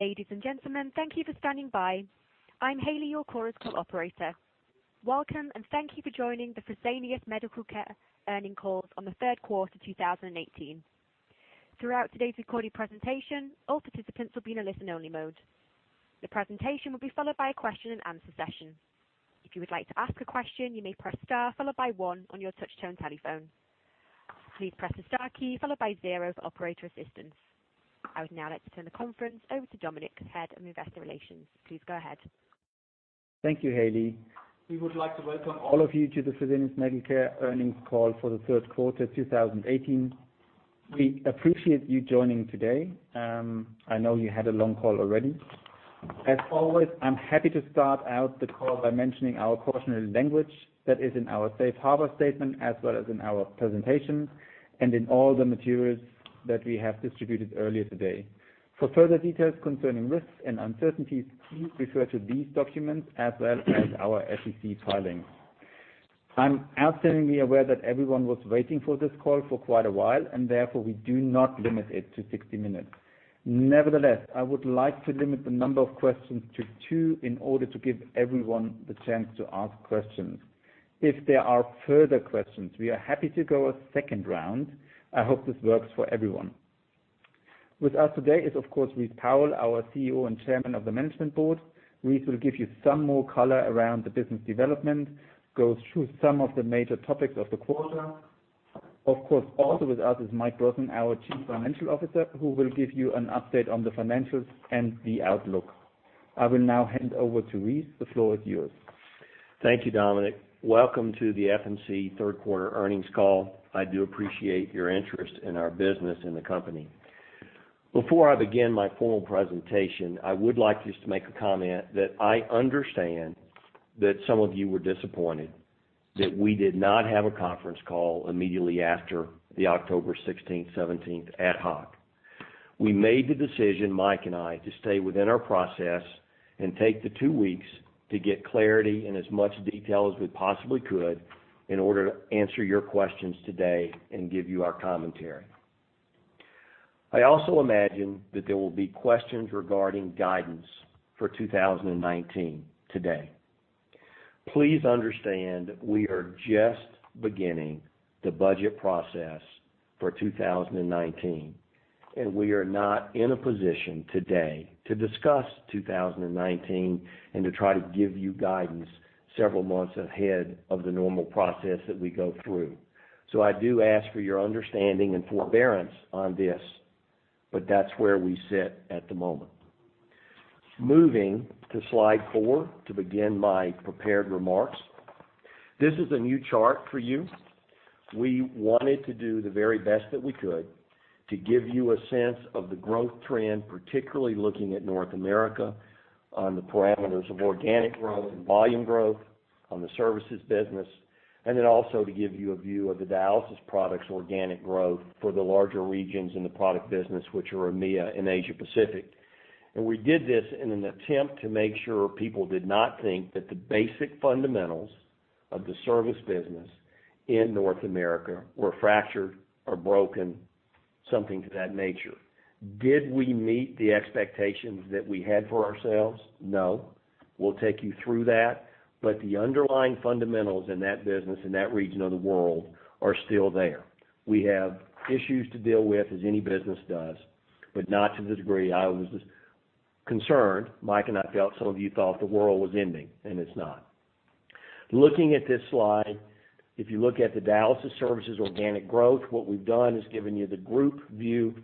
Ladies and gentlemen, thank you for standing by. I'm Haley, your Chorus Call operator. Welcome, and thank you for joining the Fresenius Medical Care earnings call on the third quarter 2018. Throughout today's recorded presentation, all participants will be in a listen-only mode. The presentation will be followed by a question-and-answer session. If you would like to ask a question, you may press star followed by one on your touchtone telephone. Please press the star key followed by zero for operator assistance. I would now like to turn the conference over to Dominik, Head of Investor Relations. Please go ahead. Thank you, Haley. We would like to welcome all of you to the Fresenius Medical Care earnings call for the third quarter 2018. We appreciate you joining today. I know you had a long call already. As always, I'm happy to start out the call by mentioning our cautionary language that is in our safe harbor statement, as well as in our presentation and in all the materials that we have distributed earlier today. For further details concerning risks and uncertainties, please refer to these documents as well as our SEC filings. I'm outstandingly aware that everyone was waiting for this call for quite a while, and therefore, we do not limit it to 60 minutes. Nevertheless, I would like to limit the number of questions to two in order to give everyone the chance to ask questions. If there are further questions, we are happy to go a second round. I hope this works for everyone. With us today is, of course, Rice Powell, our CEO and Chairman of the Management Board. Rice will give you some more color around the business development, go through some of the major topics of the quarter. Of course, also with us is Mike Brosnan, our Chief Financial Officer, who will give you an update on the financials and the outlook. I will now hand over to Rice. The floor is yours. Thank you, Dominik. Welcome to the FMC third quarter earnings call. I do appreciate your interest in our business and the company. Before I begin my formal presentation, I would like just to make a comment that I understand that some of you were disappointed that we did not have a conference call immediately after the October 16th, 17th ad hoc. We made the decision, Mike and I, to stay within our process and take the two weeks to get clarity and as much detail as we possibly could in order to answer your questions today and give you our commentary. I also imagine that there will be questions regarding guidance for 2019 today. Please understand we are just beginning the budget process for 2019, we are not in a position today to discuss 2019 and to try to give you guidance several months ahead of the normal process that we go through. I do ask for your understanding and forbearance on this, but that's where we sit at the moment. Moving to slide four to begin my prepared remarks. This is a new chart for you. We wanted to do the very best that we could to give you a sense of the growth trend, particularly looking at North America on the parameters of organic growth and volume growth on the services business, also to give you a view of the dialysis products organic growth for the larger regions in the product business, which are EMEA and Asia Pacific. We did this in an attempt to make sure people did not think that the basic fundamentals of the service business in North America were fractured or broken, something to that nature. Did we meet the expectations that we had for ourselves? No. We'll take you through that. The underlying fundamentals in that business in that region of the world are still there. We have issues to deal with as any business does, but not to the degree I was concerned. Mike and I felt some of you thought the world was ending, and it's not. Looking at this slide, if you look at the dialysis services organic growth, what we've done is given you the group view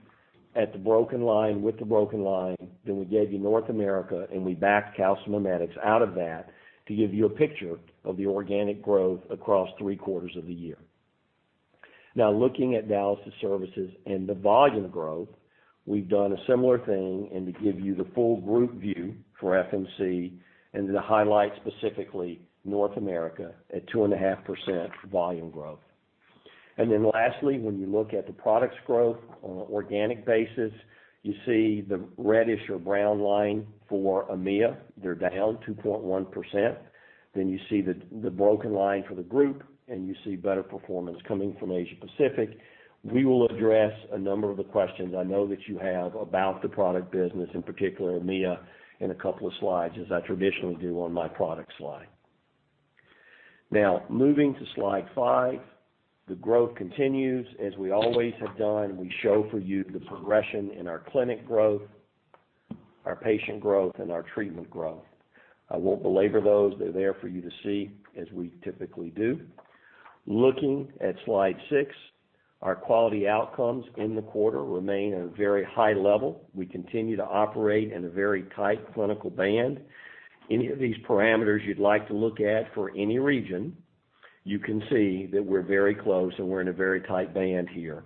at the broken line with the broken line. We gave you North America, we backed calcimimetics out of that to give you a picture of the organic growth across three quarters of the year. Looking at dialysis services and the volume growth, we've done a similar thing and to give you the full group view for FMC and to highlight specifically North America at 2.5% volume growth. Lastly, when you look at the products growth on an organic basis, you see the reddish or brown line for EMEA. They're down 2.1%. You see the broken line for the group, and you see better performance coming from Asia Pacific. We will address a number of the questions I know that you have about the product business, in particular EMEA, in a couple of slides as I traditionally do on my product slide. Moving to slide five. The growth continues. As we always have done, we show for you the progression in our clinic growth, our patient growth, and our treatment growth. I won't belabor those. They're there for you to see as we typically do. Looking at slide six, our quality outcomes in the quarter remain at a very high level. We continue to operate in a very tight clinical band. Any of these parameters you'd like to look at for any region, you can see that we're very close and we're in a very tight band here.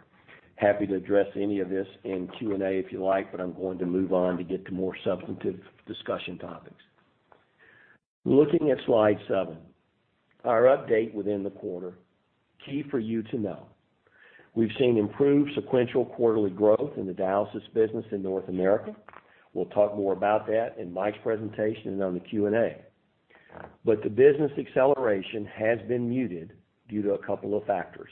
Happy to address any of this in Q&A if you like, but I'm going to move on to get to more substantive discussion topics. Looking at slide seven, our update within the quarter. Key for you to know, we've seen improved sequential quarterly growth in the dialysis business in North America. We'll talk more about that in Mike's presentation and on the Q&A. The business acceleration has been muted due to a couple of factors.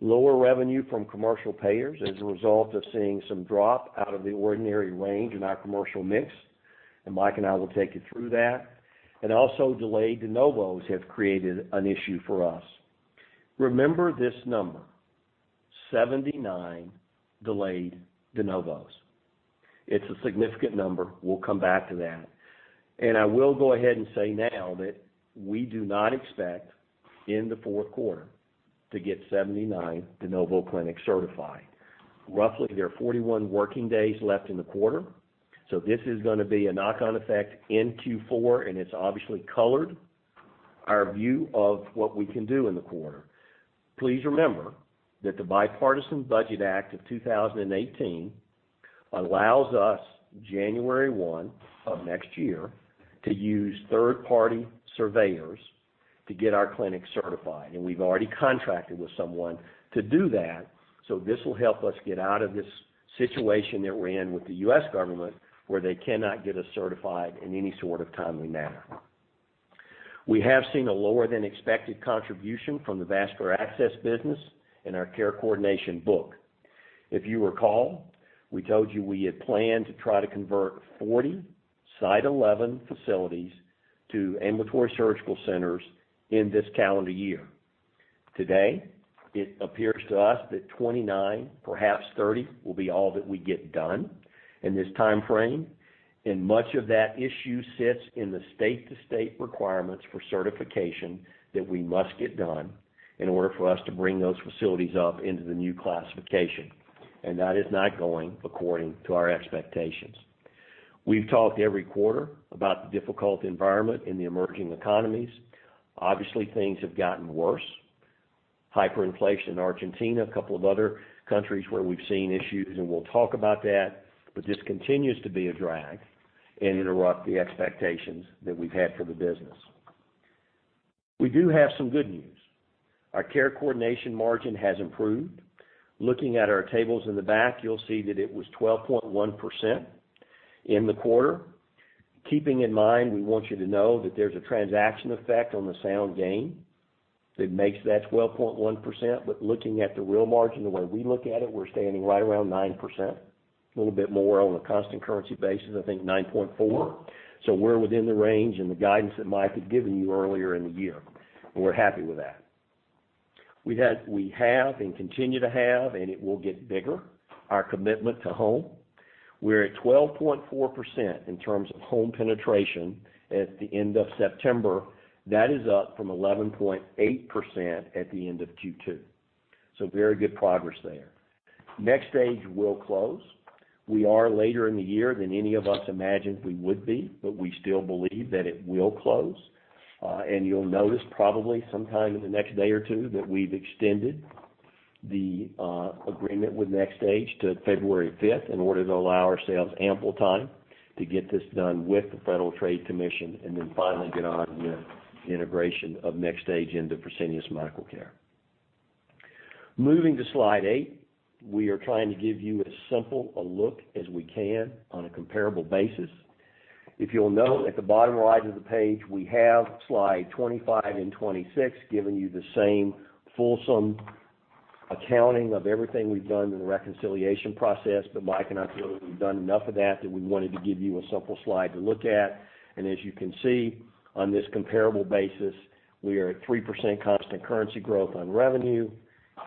Lower revenue from commercial payers as a result of seeing some drop out of the ordinary range in our commercial mix, and Mike and I will take you through that. Also, delayed de novos have created an issue for us. Remember this number, 79 delayed de novos. It's a significant number. We'll come back to that. I will go ahead and say now that we do not expect in the fourth quarter to get 79 de novo clinics certified. Roughly, there are 41 working days left in the quarter, so this is going to be a knock-on effect in Q4, and it's obviously colored our view of what we can do in the quarter. Please remember that the Bipartisan Budget Act of 2018 allows us, January 1 of next year, to use third-party surveyors to get our clinics certified. We've already contracted with someone to do that, so this will help us get out of this situation that we're in with the U.S. government, where they cannot get us certified in any sort of timely manner. We have seen a lower than expected contribution from the vascular access business in our care coordination book. If you recall, we told you we had planned to try to convert 40 Site 11 facilities to ambulatory surgical centers in this calendar year. Today, it appears to us that 29, perhaps 30, will be all that we get done in this timeframe, and much of that issue sits in the state-to-state requirements for certification that we must get done in order for us to bring those facilities up into the new classification. That is not going according to our expectations. We've talked every quarter about the difficult environment in the emerging economies. Obviously, things have gotten worse. Hyperinflation in Argentina, a couple of other countries where we've seen issues, and we'll talk about that, but this continues to be a drag and interrupt the expectations that we've had for the business. We do have some good news. Our care coordination margin has improved. Looking at our tables in the back, you'll see that it was 12.1% in the quarter. Keeping in mind, we want you to know that there's a transaction effect on the Sound gain that makes that 12.1%, looking at the real margin, the way we look at it, we're standing right around 9%, a little bit more on a constant currency basis, I think 9.4%. We're within the range and the guidance that Mike had given you earlier in the year, and we're happy with that. We have and continue to have, and it will get bigger, our commitment to home. We're at 12.4% in terms of home penetration at the end of September. That is up from 11.8% at the end of Q2. Very good progress there. NxStage will close. We are later in the year than any of us imagined we would be, we still believe that it will close. You'll notice probably sometime in the next day or two that we've extended the agreement with NxStage to February 5th in order to allow ourselves ample time to get this done with the Federal Trade Commission, then finally get on with the integration of NxStage into Fresenius Medical Care. Moving to slide eight, we are trying to give you as simple a look as we can on a comparable basis. If you'll note at the bottom right of the page, we have slide 25 and 26 giving you the same fulsome accounting of everything we've done in the reconciliation process, Mike and I feel like we've done enough of that we wanted to give you a simple slide to look at. As you can see on this comparable basis, we are at 3% constant currency growth on revenue,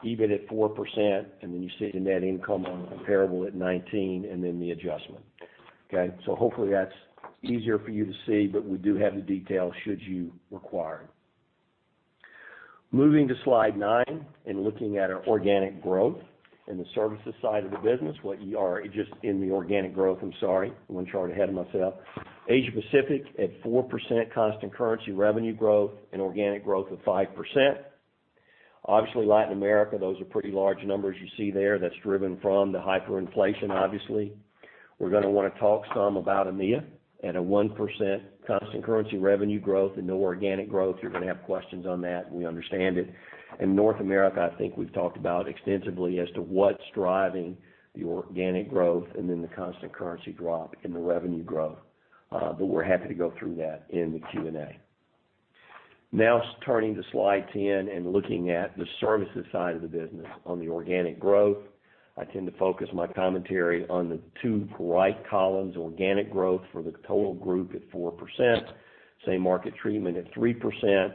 EBIT at 4%, then you see the net income on comparable at 19%, then the adjustment. Okay. Hopefully that's easier for you to see, we do have the detail should you require it. Moving to slide nine and looking at our organic growth in the services side of the business. Just in the organic growth, I'm sorry. I'm one chart ahead of myself. Asia-Pacific at 4% constant currency revenue growth and organic growth of 5%. Latin America, those are pretty large numbers you see there. That's driven from the hyperinflation. We're going to want to talk some about EMEA at a 1% constant currency revenue growth and no organic growth. You're going to have questions on that, we understand it. North America, I think we've talked about extensively as to what's driving the organic growth then the constant currency drop in the revenue growth. We're happy to go through that in the Q&A. Turning to slide 10 and looking at the services side of the business on the organic growth. I tend to focus my commentary on the two right columns, organic growth for the total group at 4%, same market treatment at 3%,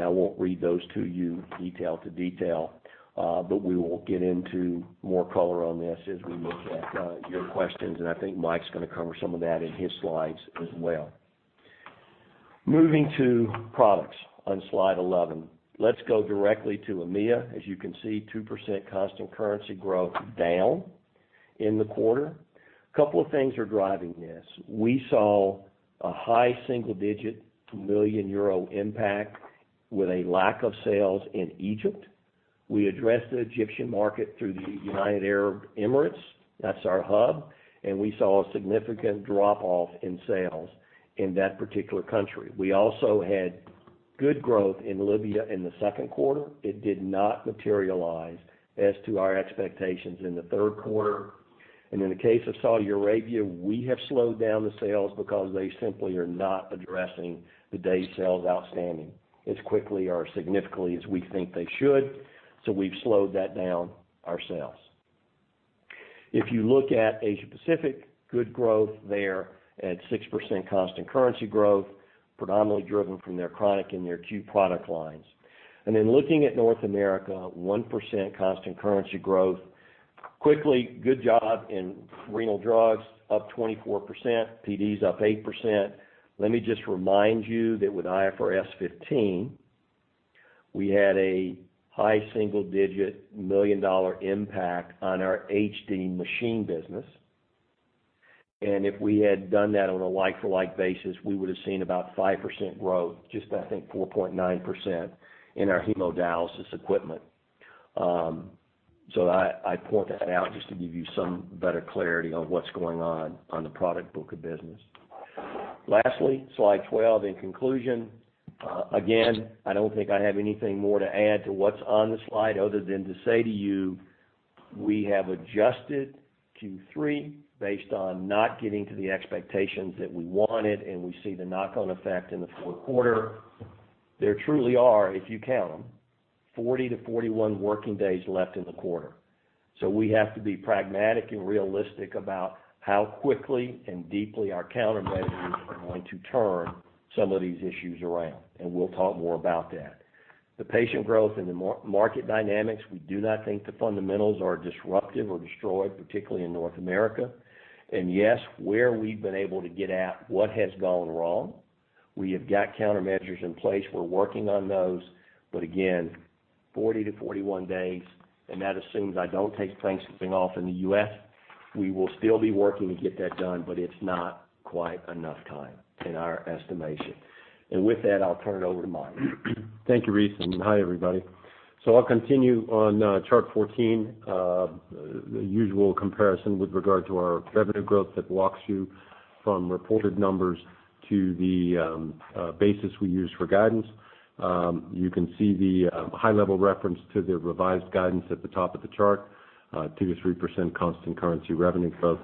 I won't read those to you detail to detail. We will get into more color on this as we look at your questions, I think Mike's going to cover some of that in his slides as well. Moving to products on slide 11. Let's go directly to EMEA. As you can see, 2% constant currency growth down in the quarter. Couple of things are driving this. We saw a high single-digit million EUR impact with a lack of sales in Egypt. We addressed the Egyptian market through the United Arab Emirates. That's our hub. We saw a significant drop-off in sales in that particular country. We also had good growth in Libya in the second quarter. It did not materialize as to our expectations in the third quarter. In the case of Saudi Arabia, we have slowed down the sales because they simply are not addressing the day sales outstanding as quickly or significantly as we think they should. We've slowed that down ourselves. If you look at Asia-Pacific, good growth there at 6% constant currency growth, predominantly driven from their chronic and their acute product lines. Looking at North America, 1% constant currency growth. Quickly, good job in renal drugs, up 24%, PDs up 8%. Let me just remind you that with IFRS 15, we had a high single-digit million-dollar impact on our HD machine business. If we had done that on a like-for-like basis, we would've seen about 5% growth, just, I think, 4.9% in our hemodialysis equipment. I point that out just to give you some better clarity on what's going on the product book of business. Lastly, slide 12, in conclusion, again, I don't think I have anything more to add to what's on the slide other than to say to you, we have adjusted Q3 based on not getting to the expectations that we wanted, and we see the knock-on effect in the fourth quarter. There truly are, if you count them, 40 to 41 working days left in the quarter. We have to be pragmatic and realistic about how quickly and deeply our countermeasures are going to turn some of these issues around. We'll talk more about that. The patient growth and the market dynamics, we do not think the fundamentals are disruptive or destroyed, particularly in North America. Yes, where we've been able to get at what has gone wrong, we have got countermeasures in place. We're working on those, but again, 40 to 41 days, and that assumes I don't take Thanksgiving off in the U.S. We will still be working to get that done, but it's not quite enough time in our estimation. With that, I'll turn it over to Mike. Thank you, Rice, and hi, everybody. I'll continue on chart 14, the usual comparison with regard to our revenue growth that walks you from reported numbers to the basis we use for guidance. You can see the high-level reference to the revised guidance at the top of the chart, 2%-3% constant currency revenue growth.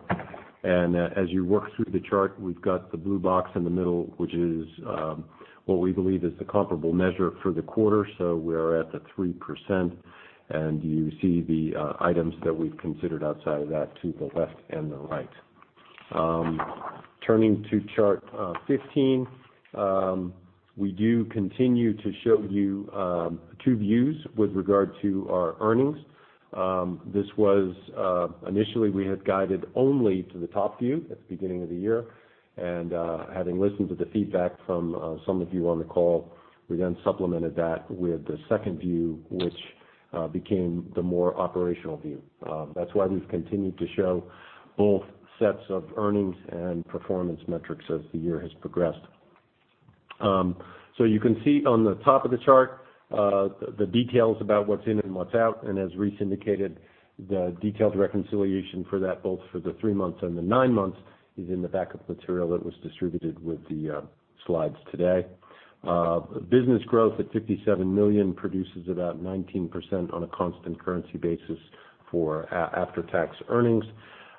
As you work through the chart, we've got the blue box in the middle, which is what we believe is the comparable measure for the quarter. We are at the 3%, and you see the items that we've considered outside of that to the left and the right. Turning to chart 15, we do continue to show you two views with regard to our earnings. Initially, we had guided only to the top view at the beginning of the year. Having listened to the feedback from some of you on the call, we then supplemented that with the second view, which became the more operational view. That's why we've continued to show both sets of earnings and performance metrics as the year has progressed. You can see on the top of the chart, the details about what's in and what's out, and as Reece indicated, the detailed reconciliation for that, both for the three months and the nine months, is in the backup material that was distributed with the slides today. Business growth at 57 million produces about 19% on a constant currency basis for after-tax earnings.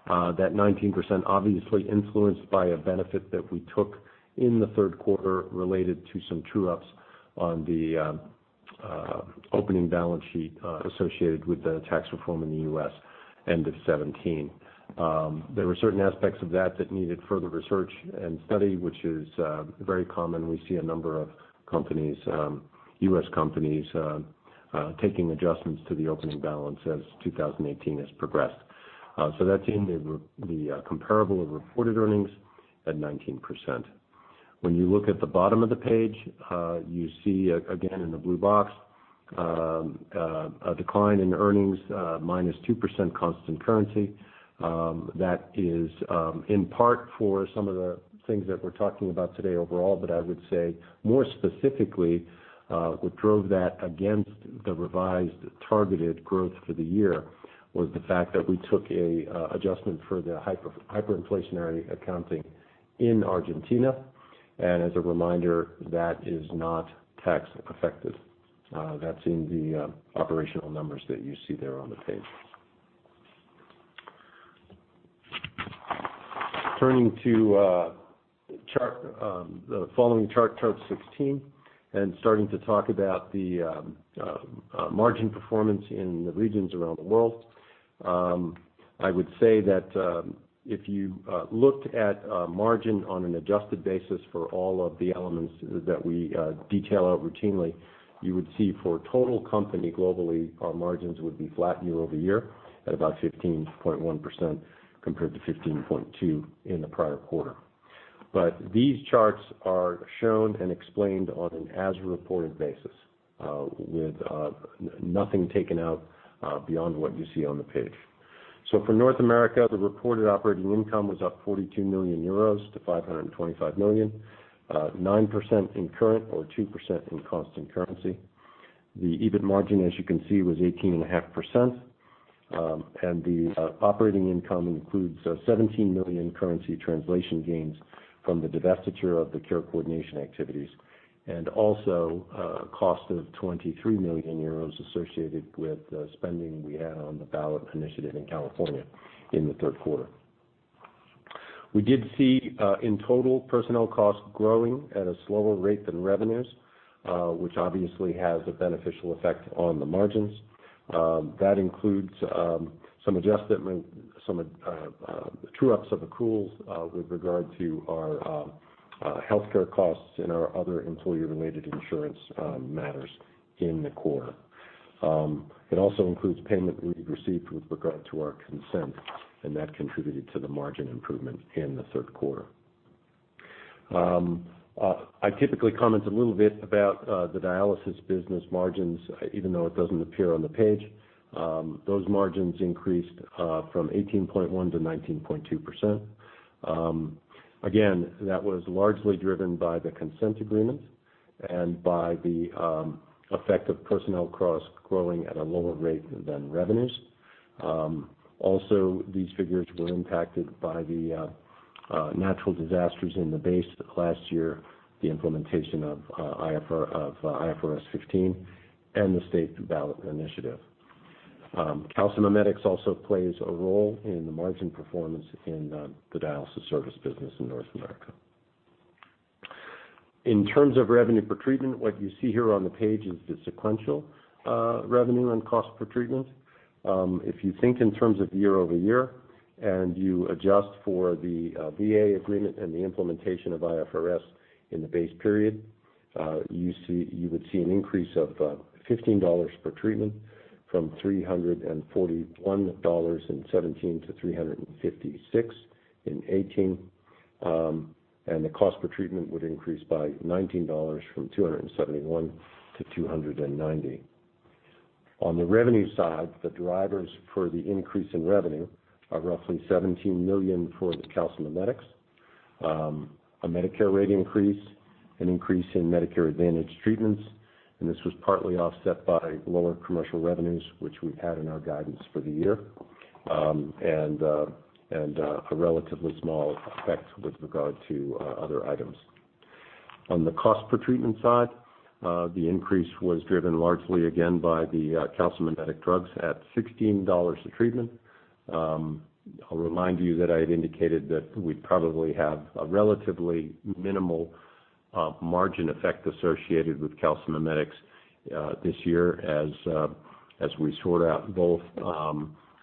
That 19% obviously influenced by a benefit that we took in the third quarter related to some true-ups on the opening balance sheet associated with the tax reform in the U.S. end of 2017. There were certain aspects of that that needed further research and study, which is very common. We see a number of U.S. companies taking adjustments to the opening balance as 2018 has progressed. That's in the comparable of reported earnings at 19%. When you look at the bottom of the page, you see again in the blue box, a decline in earnings, -2% constant currency. That is in part for some of the things that we are talking about today overall, but I would say more specifically, what drove that against the revised targeted growth for the year was the fact that we took an adjustment for the hyperinflationary accounting in Argentina. As a reminder, that is not tax effective. That's in the operational numbers that you see there on the page. Turning to the following chart 16, and starting to talk about the margin performance in the regions around the world. I would say that if you looked at margin on an adjusted basis for all of the elements that we detail out routinely, you would see for total company globally, our margins would be flat year-over-year at about 15.1% compared to 15.2% in the prior quarter. But these charts are shown and explained on an as reported basis, with nothing taken out beyond what you see on the page. For North America, the reported operating income was up 42 million euros to 525 million, 9% in current or 2% in constant currency. The EBIT margin, as you can see, was 18.5%, and the operating income includes 17 million currency translation gains from the divestiture of the care coordination activities, and also a cost of 23 million euros associated with spending we had on the ballot initiative in California in the third quarter. We did see, in total, personnel costs growing at a slower rate than revenues, which obviously has a beneficial effect on the margins. That includes some true-ups of accruals with regard to our healthcare costs and our other employee-related insurance matters in the quarter. It also includes payment we received with regard to our consent, and that contributed to the margin improvement in the third quarter. I typically comment a little bit about the dialysis business margins, even though it doesn't appear on the page. Those margins increased from 18.1%-19.2%. That was largely driven by the consent agreement and by the effect of personnel costs growing at a lower rate than revenues. These figures were impacted by the natural disasters in the base last year, the implementation of IFRS 15, and the state ballot initiative. Calcimimetics also plays a role in the margin performance in the dialysis service business in North America. In terms of revenue per treatment, what you see here on the page is the sequential revenue and cost per treatment. If you think in terms of year-over-year, and you adjust for the VA agreement and the implementation of IFRS in the base period, you would see an increase of EUR 15 per treatment from EUR 341 in 2017 to 356 in 2018. The cost per treatment would increase by EUR 19 from 271 to 290. On the revenue side, the drivers for the increase in revenue are roughly 17 million for the calcimimetics, a Medicare rate increase, an increase in Medicare Advantage treatments, and this was partly offset by lower commercial revenues, which we had in our guidance for the year, and a relatively small effect with regard to other items. On the cost per treatment side, the increase was driven largely again by the calcimimetic drugs at EUR 16 a treatment. I will remind you that I had indicated that we would probably have a relatively minimal margin effect associated with calcimimetics this year as we sort out both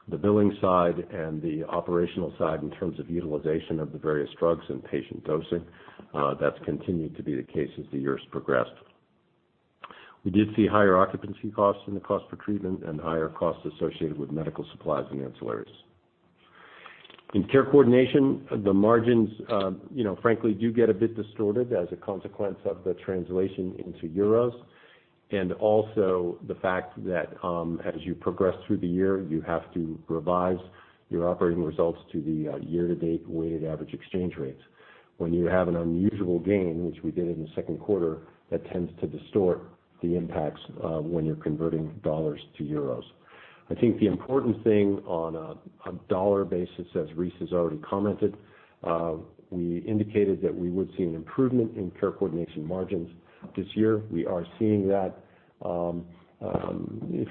the billing side and the operational side in terms of utilization of the various drugs and patient dosing. That has continued to be the case as the year has progressed. We did see higher occupancy costs in the cost per treatment and higher costs associated with medical supplies and ancillaries. In care coordination, the margins frankly do get a bit distorted as a consequence of the translation into euros, and also the fact that as you progress through the year, you have to revise your operating results to the year-to-date weighted average exchange rates. When you have an unusual gain, which we did in the second quarter, that tends to distort the impacts when you are converting dollars to euros. I think the important thing on a dollar basis, as Rice has already commented, we indicated that we would see an improvement in care coordination margins this year. We are seeing that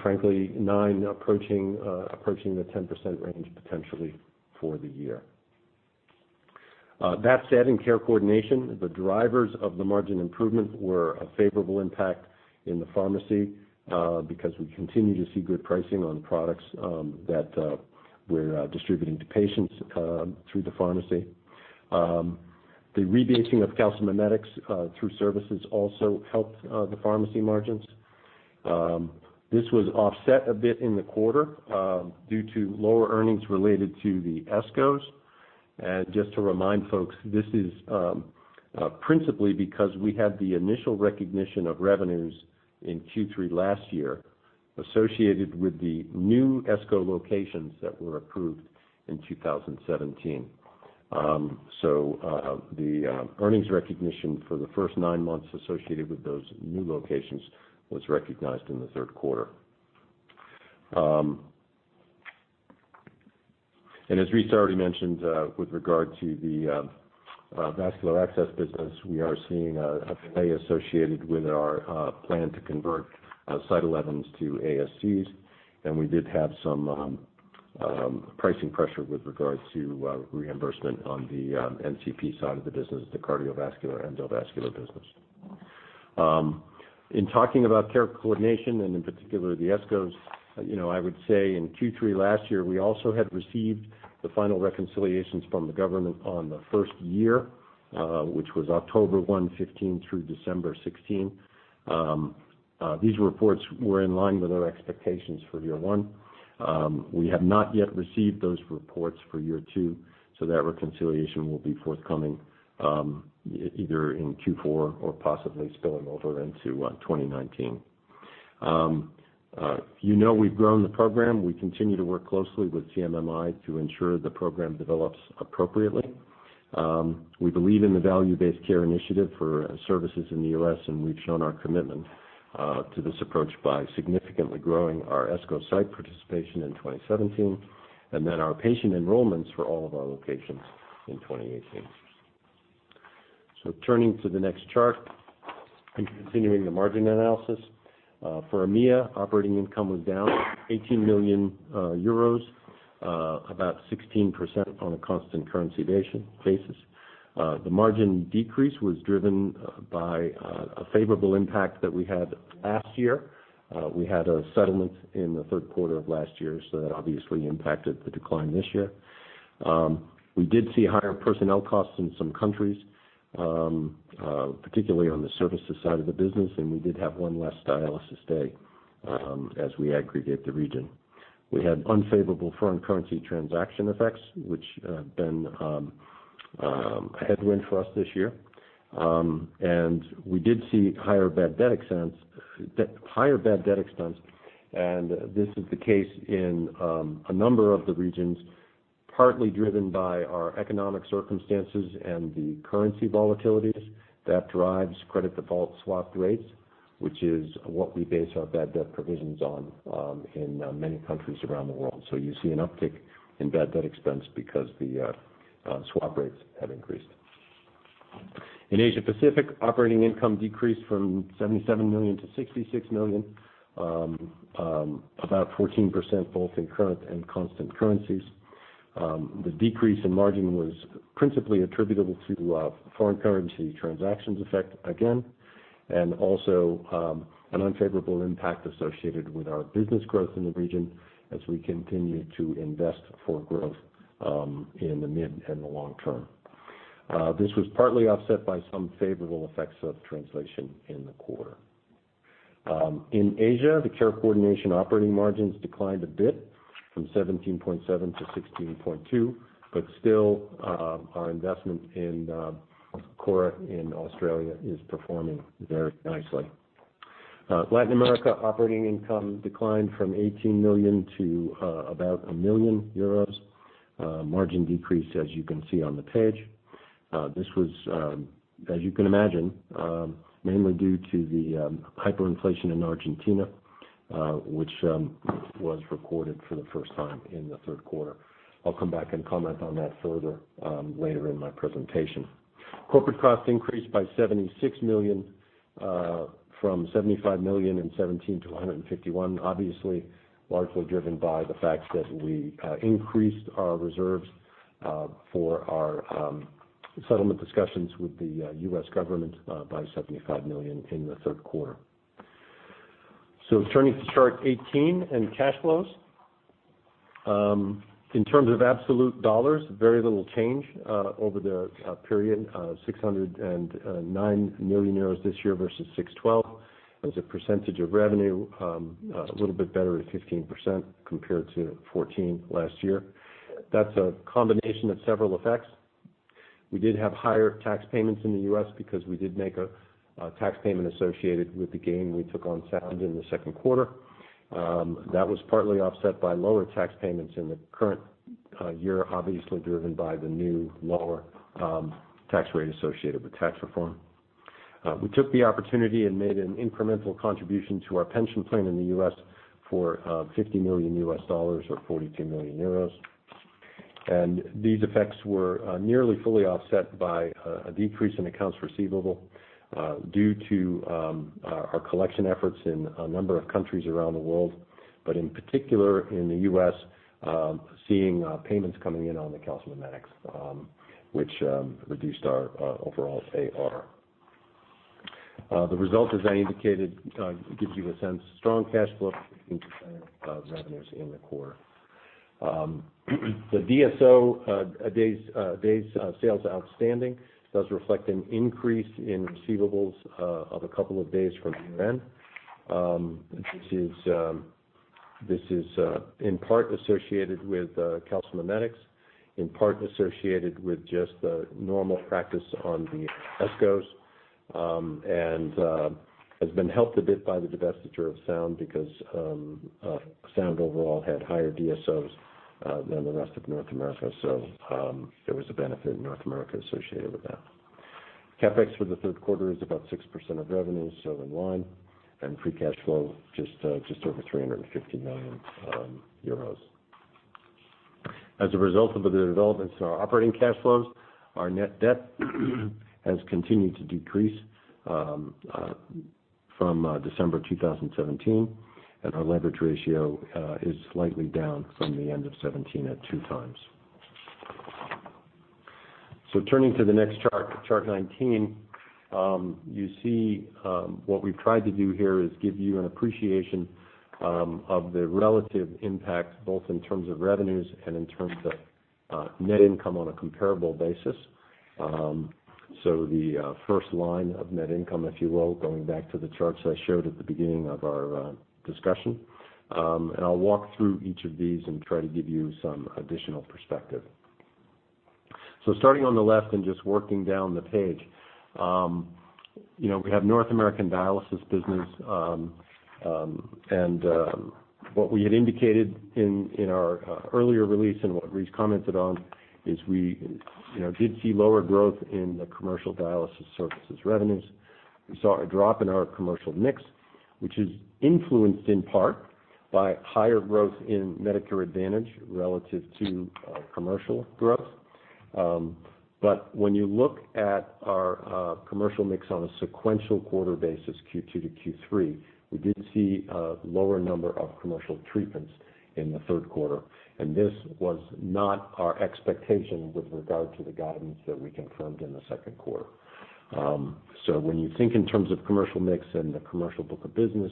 frankly nine approaching the 10% range potentially for the year. That said, in care coordination, the drivers of the margin improvement were a favorable impact in the pharmacy because we continue to see good pricing on products that we are distributing to patients through the pharmacy. The rebating of calcimimetics through services also helped the pharmacy margins. This was offset a bit in the quarter due to lower earnings related to the ESCOs. Just to remind folks, this is principally because we had the initial recognition of revenues in Q3 last year associated with the new ESCO locations that were approved in 2017. So the earnings recognition for the first nine months associated with those new locations was recognized in the third quarter. As Rice already mentioned with regard to the vascular access business, we are seeing a delay associated with our plan to convert Site 11s to ASCs, and we did have some pricing pressure with regards to reimbursement on the NCP side of the business, the cardiovascular, endovascular business. In talking about care coordination and in particular the ESCOs, I would say in Q3 last year, we also had received the final reconciliations from the government on the first year, which was October 1, 2015 through December 2016. These reports were in line with our expectations for year one. We have not yet received those reports for year two, so that reconciliation will be forthcoming either in Q4 or possibly spilling over into 2019. You know we have grown the program. We continue to work closely with CMMI to ensure the program develops appropriately. We believe in the value-based care initiative for services in the U.S., and we have shown our commitment to this approach by significantly growing our ESCO site participation in 2017 and then our patient enrollments for all of our locations in 2018. Turning to the next chart and continuing the margin analysis. For EMEA, operating income was down 18 million euros, about 16% on a constant currency basis. The margin decrease was driven by a favorable impact that we had last year. We had a settlement in the third quarter of last year. That obviously impacted the decline this year. We did see higher personnel costs in some countries, particularly on the services side of the business, and we did have one less dialysis day as we aggregate the region. We had unfavorable foreign currency transaction effects, which have been a headwind for us this year. We did see higher bad debt expense. This is the case in a number of the regions, partly driven by our economic circumstances and the currency volatilities that drives credit default swap rates, which is what we base our bad debt provisions on in many countries around the world. You see an uptick in bad debt expense because the swap rates have increased. In Asia Pacific, operating income decreased from 77 million to 66 million, about 14% both in current and constant currencies. The decrease in margin was principally attributable to a foreign currency transactions effect again, and also an unfavorable impact associated with our business growth in the region as we continue to invest for growth in the mid and the long term. This was partly offset by some favorable effects of translation in the quarter. In Asia, the care coordination operating margins declined a bit from 17.7 to 16.2, but still our investment in Cura in Australia is performing very nicely. Latin America operating income declined from 18 million to about 1 million euros. Margin decreased, as you can see on the page. This was, as you can imagine, mainly due to the hyperinflation in Argentina, which was recorded for the first time in the third quarter. I'll come back and comment on that further later in my presentation. Corporate costs increased by 76 million, from 75 million in 2017 to 151 million, obviously largely driven by the fact that we increased our reserves for our settlement discussions with the U.S. government by 75 million in the third quarter. Turning to chart 18 and cash flows. In terms of absolute EUR, very little change over the period, 609 million euros this year versus 612 million. As a percentage of revenue, a little bit better at 15% compared to 14% last year. That's a combination of several effects. We did have higher tax payments in the U.S. because we did make a tax payment associated with the gain we took on Sound in the second quarter. That was partly offset by lower tax payments in the current year, obviously driven by the new lower tax rate associated with tax reform. We took the opportunity and made an incremental contribution to our pension plan in the U.S. for $50 million or 42 million euros. These effects were nearly fully offset by a decrease in accounts receivable due to our collection efforts in a number of countries around the world, but in particular in the U.S., seeing payments coming in on the calcimimetics which reduced our overall AR. The result, as I indicated, gives you a sense, strong cash flow, 15% of revenues in the quarter. The DSO, days sales outstanding, does reflect an increase in receivables of a couple of days from year end. This is in part associated with calcimimetics, in part associated with just the normal practice on the ESCOs, and has been helped a bit by the divestiture of Sound because Sound overall had higher DSOs than the rest of North America, so there was a benefit in North America associated with that. CapEx for the third quarter is about 6% of revenue, seven one, and free cash flow just over 350 million euros. As a result of the developments in our operating cash flows, our net debt has continued to decrease from December 2017, and our leverage ratio is slightly down from the end of 2017 at 2x. Turning to the next chart 19. You see what we've tried to do here is give you an appreciation of the relative impact both in terms of revenues and in terms of net income on a comparable basis. The first line of net income, if you will, going back to the charts I showed at the beginning of our discussion. I'll walk through each of these and try to give you some additional perspective. Starting on the left and just working down the page. We have North American dialysis business, and what we had indicated in our earlier release and what Rice commented on is we did see lower growth in the commercial dialysis services revenues. We saw a drop in our commercial mix, which is influenced in part by higher growth in Medicare Advantage relative to commercial growth. When you look at our commercial mix on a sequential quarter basis, Q2 to Q3, we did see a lower number of commercial treatments in the third quarter, and this was not our expectation with regard to the guidance that we confirmed in the second quarter. When you think in terms of commercial mix and the commercial book of business,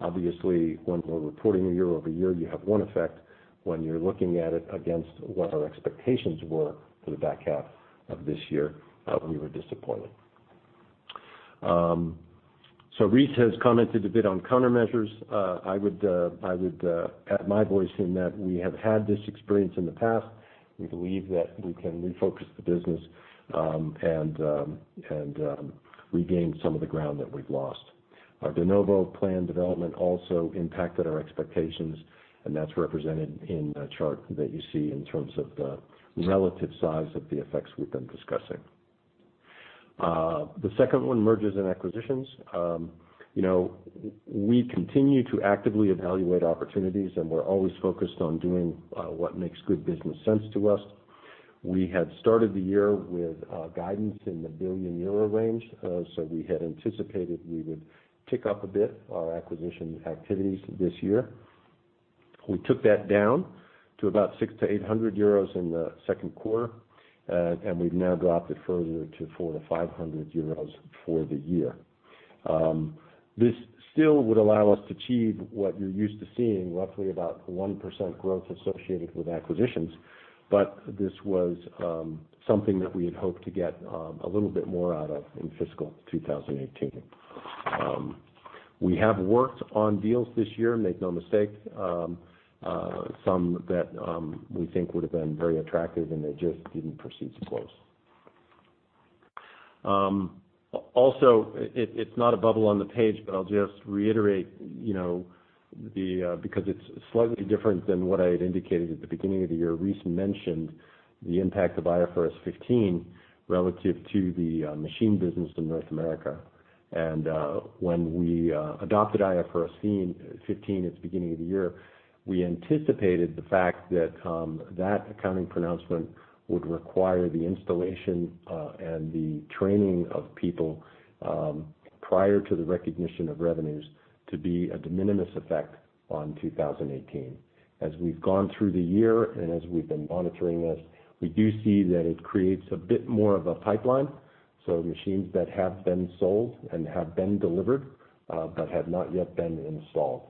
obviously when we're reporting a year-over-year, you have one effect when you're looking at it against what our expectations were for the back half of this year, we were disappointed. Rice has commented a bit on countermeasures. I would add my voice in that we have had this experience in the past. We believe that we can refocus the business and regain some of the ground that we've lost. Our de novo plan development also impacted our expectations, and that's represented in the chart that you see in terms of the relative size of the effects we've been discussing. The second one, mergers and acquisitions. We continue to actively evaluate opportunities, and we're always focused on doing what makes good business sense to us. We had started the year with guidance in the billion-euro range. We had anticipated we would tick up a bit our acquisition activities this year. We took that down to about 600 to 800 euros in the second quarter, and we've now dropped it further to 400 to 500 euros for the year. This still would allow us to achieve what you're used to seeing, roughly about 1% growth associated with acquisitions, but this was something that we had hoped to get a little bit more out of in fiscal 2018. We have worked on deals this year, make no mistake. Some that we think would have been very attractive, and they just didn't proceed to close. Also, it's not a bubble on the page, but I'll just reiterate, because it's slightly different than what I had indicated at the beginning of the year. Rice mentioned the impact of IFRS 15 relative to the machine business in North America. When we adopted IFRS 15 at the beginning of the year, we anticipated the fact that that accounting pronouncement would require the installation and the training of people prior to the recognition of revenues to be a de minimis effect on 2018. As we've gone through the year and as we've been monitoring this, we do see that it creates a bit more of a pipeline, so machines that have been sold and have been delivered, but have not yet been installed.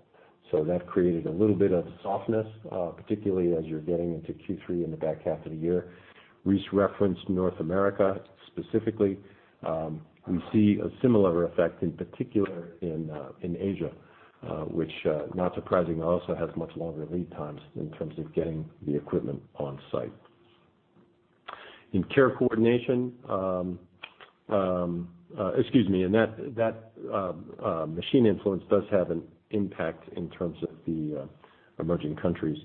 That created a little bit of softness, particularly as you're getting into Q3 in the back half of the year. Rice referenced North America specifically. We see a similar effect, in particular in Asia, which, not surprising, also has much longer lead times in terms of getting the equipment on site. That machine influence does have an impact in terms of the emerging countries.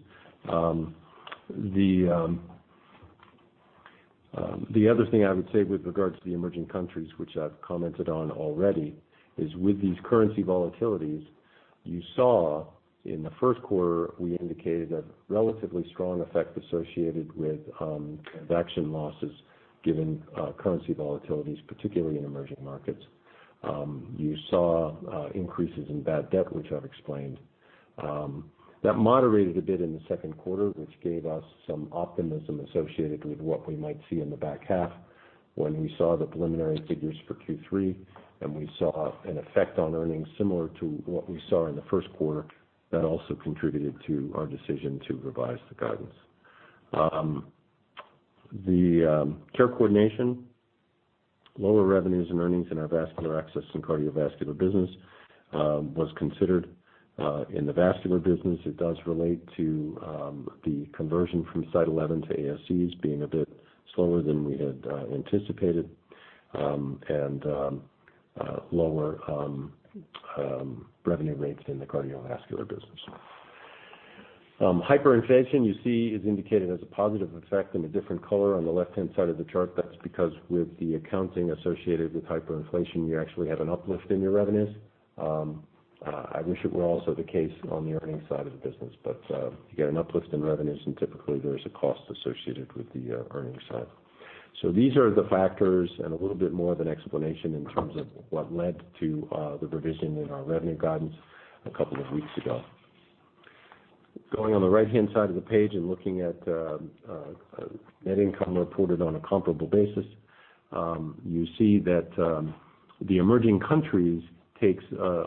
The other thing I would say with regards to the emerging countries, which I've commented on already, is with these currency volatilities, you saw in the first quarter, we indicated a relatively strong effect associated with collection losses given currency volatilities, particularly in emerging markets. You saw increases in bad debt, which I've explained. That moderated a bit in the second quarter, which gave us some optimism associated with what we might see in the back half. When we saw the preliminary figures for Q3, we saw an effect on earnings similar to what we saw in the first quarter, that also contributed to our decision to revise the guidance. The care coordination, lower revenues and earnings in our vascular access and cardiovascular business was considered. In the vascular business, it does relate to the conversion from Site 11 to ASCs being a bit slower than we had anticipated, and lower revenue rates in the cardiovascular business. Hyperinflation you see is indicated as a positive effect in a different color on the left-hand side of the chart. That's because with the accounting associated with hyperinflation, you actually have an uplift in your revenues. I wish it were also the case on the earnings side of the business, but you get an uplift in revenues, and typically there is a cost associated with the earnings side. These are the factors and a little bit more of an explanation in terms of what led to the revision in our revenue guidance a couple of weeks ago. Going on the right-hand side of the page and looking at net income reported on a comparable basis, you see that the emerging countries takes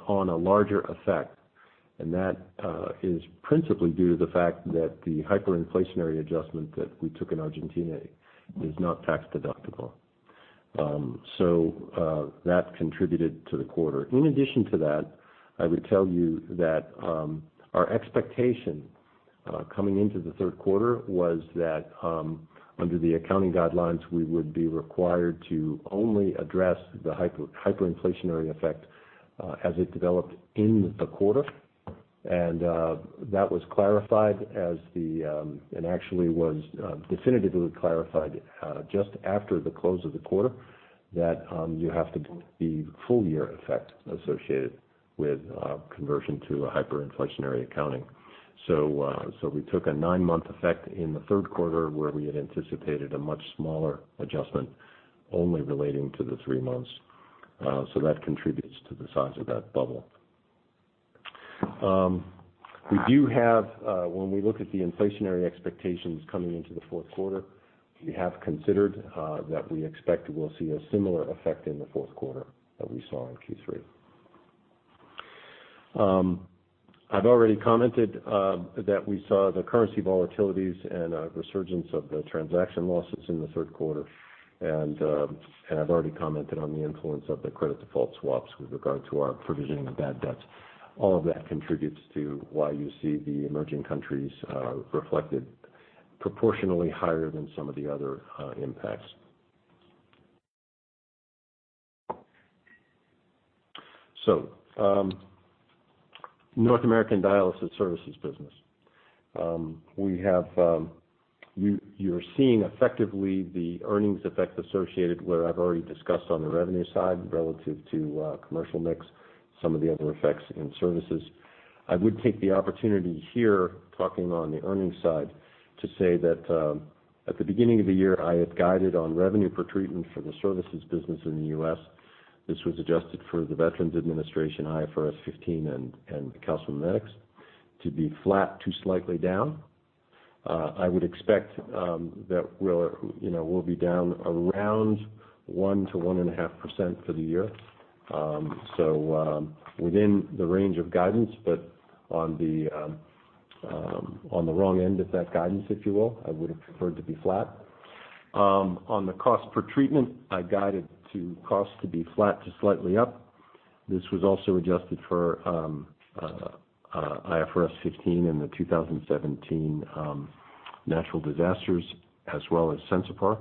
on a larger effect, and that is principally due to the fact that the hyperinflationary adjustment that we took in Argentina is not tax-deductible. That contributed to the quarter. In addition to that, I would tell you that our expectation coming into the third quarter was that under the accounting guidelines, we would be required to only address the hyperinflationary effect as it developed in the quarter. That was clarified as, and actually was definitively clarified just after the close of the quarter, that you have to book the full-year effect associated with conversion to a hyperinflationary accounting. We took a nine-month effect in the third quarter where we had anticipated a much smaller adjustment only relating to the three months. That contributes to the size of that bubble. We do have, when we look at the inflationary expectations coming into the fourth quarter, we have considered that we expect we'll see a similar effect in the fourth quarter that we saw in Q3. I've already commented that we saw the currency volatilities and a resurgence of the transaction losses in the third quarter, and I've already commented on the influence of the credit default swaps with regard to our provisioning of bad debts. All of that contributes to why you see the emerging countries reflected proportionally higher than some of the other impacts. North American dialysis services business. You're seeing effectively the earnings effect associated where I've already discussed on the revenue side relative to commercial mix, some of the other effects in services. I would take the opportunity here, talking on the earnings side, to say that at the beginning of the year, I had guided on revenue per treatment for the services business in the U.S. This was adjusted for the Veterans Administration, IFRS 15, and the calcimimetics to be flat to slightly down. I would expect that we'll be down around 1%-1.5% for the year. Within the range of guidance, but on the wrong end of that guidance, if you will. I would have preferred to be flat. On the cost per treatment, I guided to cost to be flat to slightly up. This was also adjusted for IFRS 15 and the 2017 natural disasters as well as Sensipar.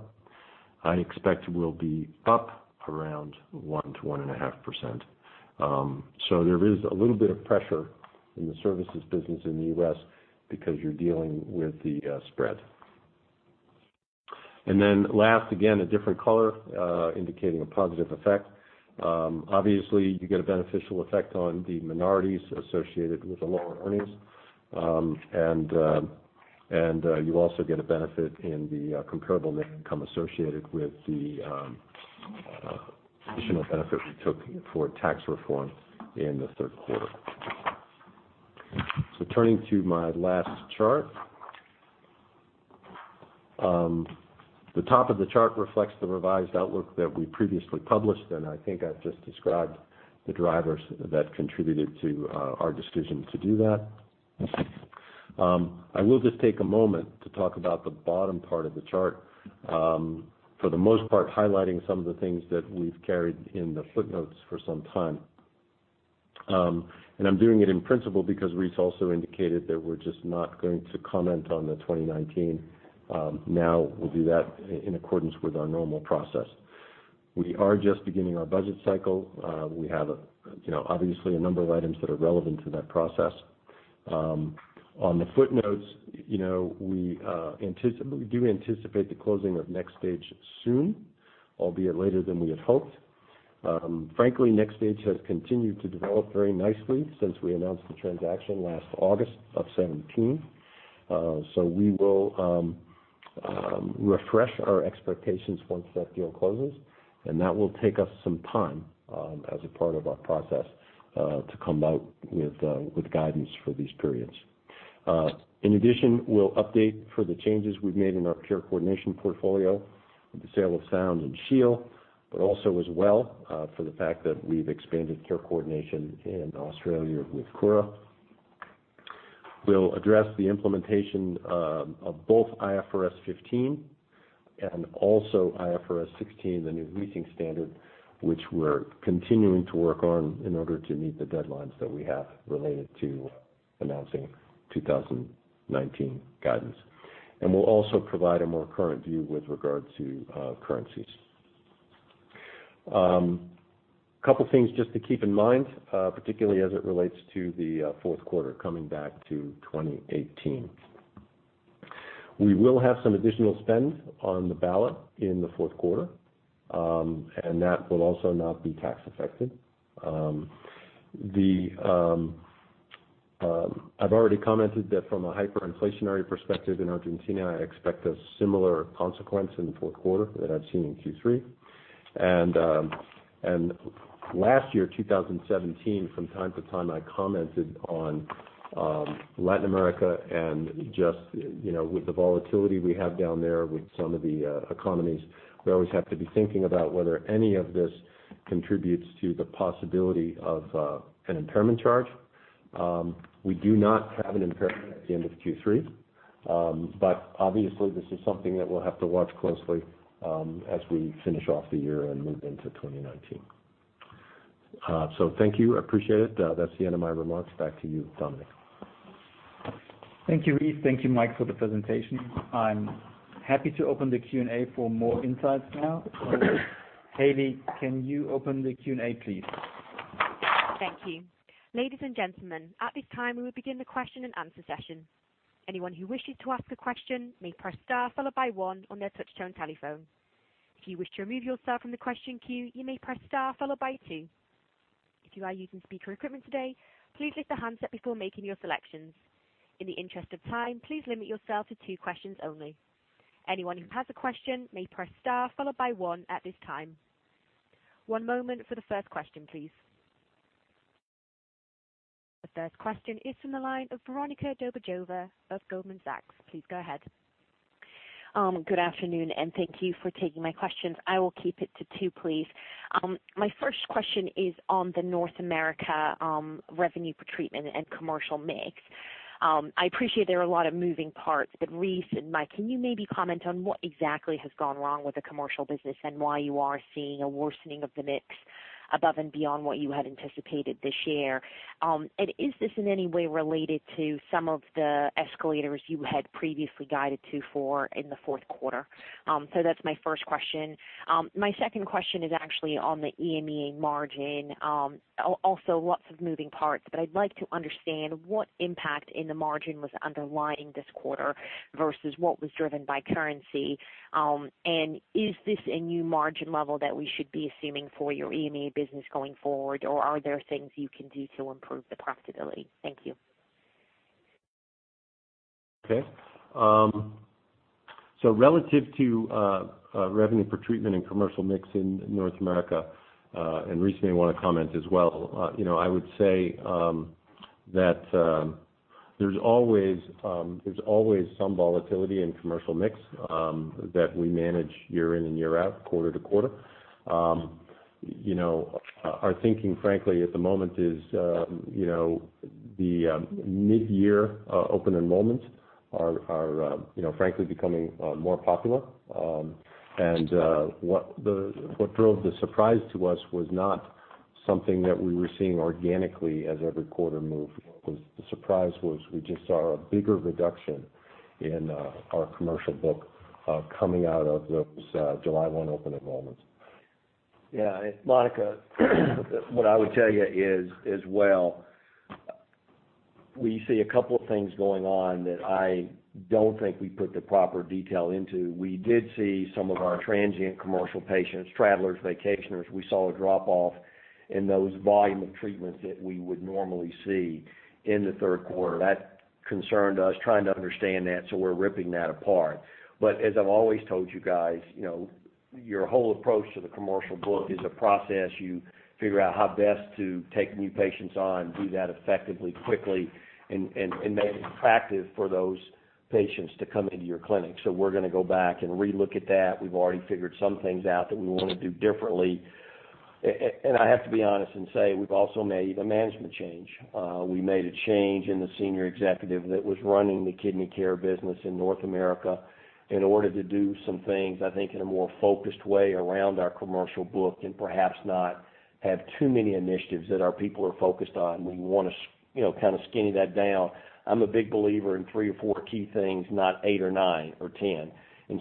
I expect we'll be up around 1%-1.5%. There is a little bit of pressure in the services business in the U.S. because you're dealing with the spread. Then last, again, a different color indicating a positive effect. Obviously, you get a beneficial effect on the minorities associated with the lower earnings. You also get a benefit in the comparable net income associated with the additional benefit we took for tax reform in the third quarter. Turning to my last chart. The top of the chart reflects the revised outlook that we previously published, and I think I've just described the drivers that contributed to our decision to do that. I will just take a moment to talk about the bottom part of the chart, for the most part highlighting some of the things that we've carried in the footnotes for some time. I'm doing it in principle because Rice also indicated that we're just not going to comment on the 2019 now. We'll do that in accordance with our normal process. We are just beginning our budget cycle. We have obviously a number of items that are relevant to that process. On the footnotes, we do anticipate the closing of NxStage soon, albeit later than we had hoped. Frankly, NxStage has continued to develop very nicely since we announced the transaction last August of 2017. We will refresh our expectations once that deal closes, and that will take us some time as a part of our process to come out with guidance for these periods. In addition, we'll update for the changes we've made in our care coordination portfolio with the sale of Sound Physicians, but also as well for the fact that we've expanded care coordination in Australia with Cura. We'll address the implementation of both IFRS 15 and also IFRS 16, the new leasing standard, which we're continuing to work on in order to meet the deadlines that we have related to announcing 2019 guidance. We'll also provide a more current view with regard to currencies. Couple things just to keep in mind, particularly as it relates to the fourth quarter coming back to 2018. We will have some additional spend on the ballot in the fourth quarter, and that will also not be tax affected. I've already commented that from a hyperinflationary perspective in Argentina, I expect a similar consequence in the fourth quarter that I've seen in Q3. Last year, 2017, from time to time, I commented on Latin America and just with the volatility we have down there with some of the economies, we always have to be thinking about whether any of this contributes to the possibility of an impairment charge. We do not have an impairment at the end of Q3, but obviously this is something that we'll have to watch closely as we finish off the year and move into 2019. Thank you. Appreciate it. That's the end of my remarks. Back to you, Dominik. Thank you, Rice. Thank you, Mike, for the presentation. I'm happy to open the Q&A for more insights now. Haley, can you open the Q&A, please? Thank you. Ladies and gentlemen, at this time, we will begin the question and answer session. Anyone who wishes to ask a question may press star followed by one on their touch-tone telephone. If you wish to remove yourself from the question queue, you may press star followed by two. If you are using speaker equipment today, please lift the handset before making your selections. In the interest of time, please limit yourself to two questions only. Anyone who has a question may press star followed by one at this time. One moment for the first question, please. The first question is from the line of Veronika Dubajova of Goldman Sachs. Please go ahead. Good afternoon, thank you for taking my questions. I will keep it to two, please. My first question is on the North America revenue per treatment and commercial mix. I appreciate there are a lot of moving parts, Rice and Mike, can you maybe comment on what exactly has gone wrong with the commercial business and why you are seeing a worsening of the mix above and beyond what you had anticipated this year? Is this in any way related to some of the escalators you had previously guided to for in the fourth quarter? That's my first question. My second question is actually on the EMEA margin. Also lots of moving parts, I'd like to understand what impact in the margin was underlying this quarter versus what was driven by currency. Is this a new margin level that we should be assuming for your EMEA business going forward, are there things you can do to improve the profitability? Thank you. Okay. Relative to revenue per treatment and commercial mix in North America, Rice may want to comment as well. I would say that there's always some volatility in commercial mix that we manage year in and year out, quarter to quarter. Our thinking, frankly, at the moment is the mid-year open enrollments are frankly becoming more popular. What drove the surprise to us was not something that we were seeing organically as every quarter moved. The surprise was we just saw a bigger reduction in our commercial book coming out of those July 1 open enrollments. Yeah. Veronika, what I would tell you is, as well, we see a couple of things going on that I don't think we put the proper detail into. We did see some of our transient commercial patients, travelers, vacationers. We saw a drop-off in those volume of treatments that we would normally see in the third quarter. That concerned us trying to understand that, so we're ripping that apart. As I've always told you guys, your whole approach to the commercial book is a process. You figure out how best to take new patients on, do that effectively, quickly, and make it attractive for those patients to come into your clinic. We're going to go back and relook at that. We've already figured some things out that we want to do differently. I have to be honest and say, we've also made a management change. We made a change in the senior executive that was running the kidney care business in North America in order to do some things, I think, in a more focused way around our commercial book, and perhaps not have too many initiatives that our people are focused on. We want to kind of skinny that down. I'm a big believer in three or four key things, not eight or nine or ten.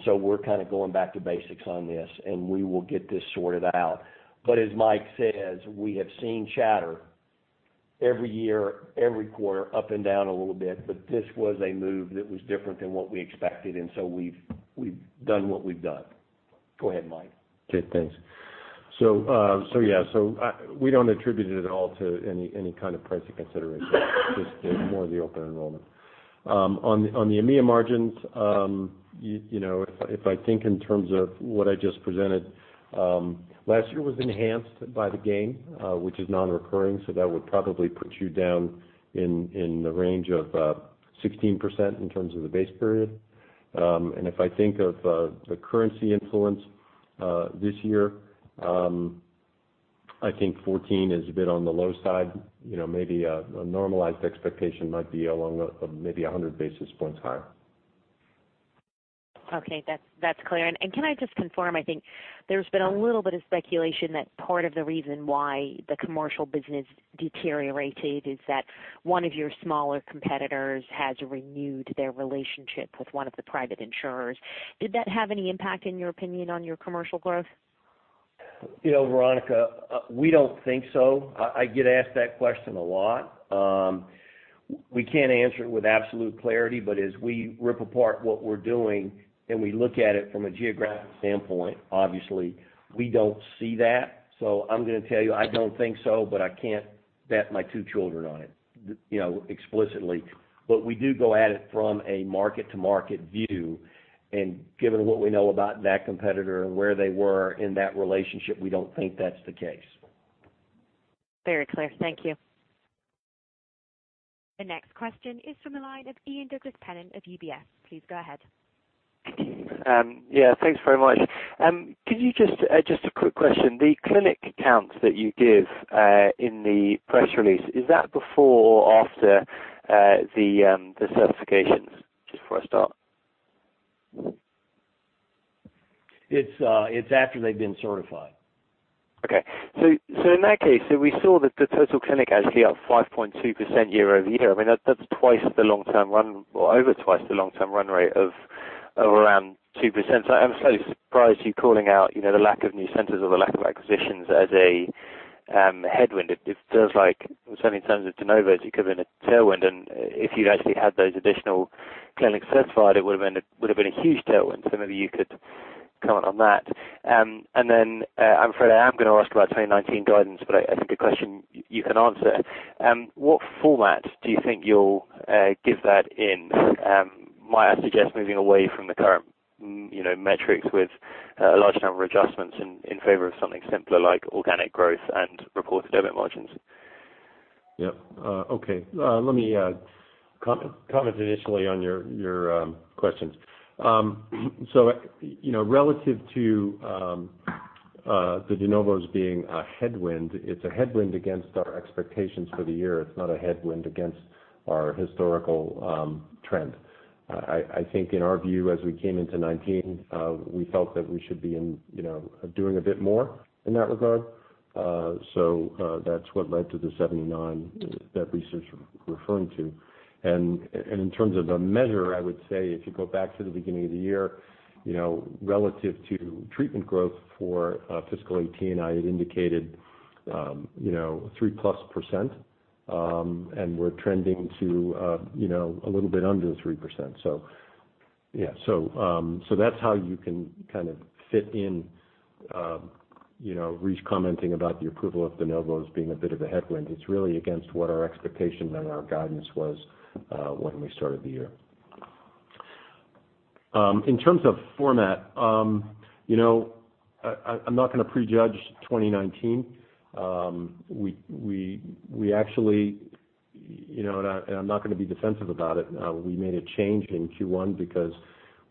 We're kind of going back to basics on this, and we will get this sorted out. As Mike says, we have seen chatter every year, every quarter, up and down a little bit, but this was a move that was different than what we expected, and so we've done what we've done. Go ahead, Mike. Okay. Thanks. We don't attribute it at all to any kind of pricing consideration, just more the open enrollment. On the EMEA margins, if I think in terms of what I just presented, last year was enhanced by the gain, which is non-recurring, so that would probably put you down in the range of 16% in terms of the base period. If I think of the currency influence this year I think 14% is a bit on the low side. Maybe a normalized expectation might be along maybe 100 basis points higher. Okay, that's clear. Can I just confirm, I think there's been a little bit of speculation that part of the reason why the commercial business deteriorated is that one of your smaller competitors has renewed their relationship with one of the private insurers. Did that have any impact, in your opinion, on your commercial growth? Veronika, we don't think so. I get asked that question a lot. We can't answer it with absolute clarity, as we rip apart what we're doing and we look at it from a geographic standpoint, obviously, we don't see that. I'm going to tell you, I don't think so, but I can't bet my two children on it explicitly. We do go at it from a market-to-market view, and given what we know about that competitor and where they were in that relationship, we don't think that's the case. Very clear. Thank you. The next question is from the line of Ian Douglas-Pennant of UBS. Please go ahead. Yeah. Thanks very much. Just a quick question. The clinic counts that you give in the press release, is that before or after the certifications? Just before I start. It's after they've been certified. Okay. In that case, we saw that the total clinic actually up 5.2% year-over-year. That's over twice the long-term run rate of around 2%. I'm slightly surprised you calling out the lack of new centers or the lack of acquisitions as a headwind. It feels like certainly in terms of de novos, it could have been a tailwind and if you'd actually had those additional clinics certified, it would've been a huge tailwind. Maybe you could comment on that. I'm afraid I am going to ask about 2019 guidance, but I think a question you can answer. What format do you think you'll give that in? Might I suggest moving away from the current metrics with a large number of adjustments in favor of something simpler like organic growth and reported EBITDA margins? Yep. Okay. Let me comment initially on your questions. Relative to the de novos being a headwind, it's a headwind against our expectations for the year. It's not a headwind against our historical trend. I think in our view, as we came into 2019, we felt that we should be doing a bit more in that regard. That's what led to the 79 that Rice was referring to. In terms of a measure, I would say if you go back to the beginning of the year, relative to treatment growth for fiscal 2018, I had indicated three plus percent. We're trending to a little bit under the 3%. Yeah. That's how you can kind of fit in Rice commenting about the approval of de novos being a bit of a headwind. It's really against what our expectation and our guidance was when we started the year. In terms of format, I'm not going to prejudge 2019. I'm not going to be defensive about it. We made a change in Q1 because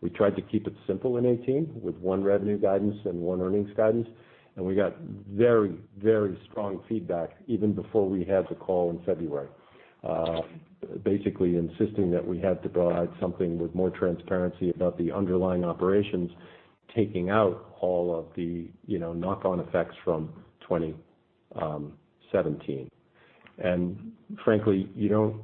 we tried to keep it simple in 2018 with one revenue guidance and one earnings guidance, and we got very, very strong feedback even before we had the call in February. Basically insisting that we had to provide something with more transparency about the underlying operations, taking out all of the knock-on effects from 2017. Frankly, you don't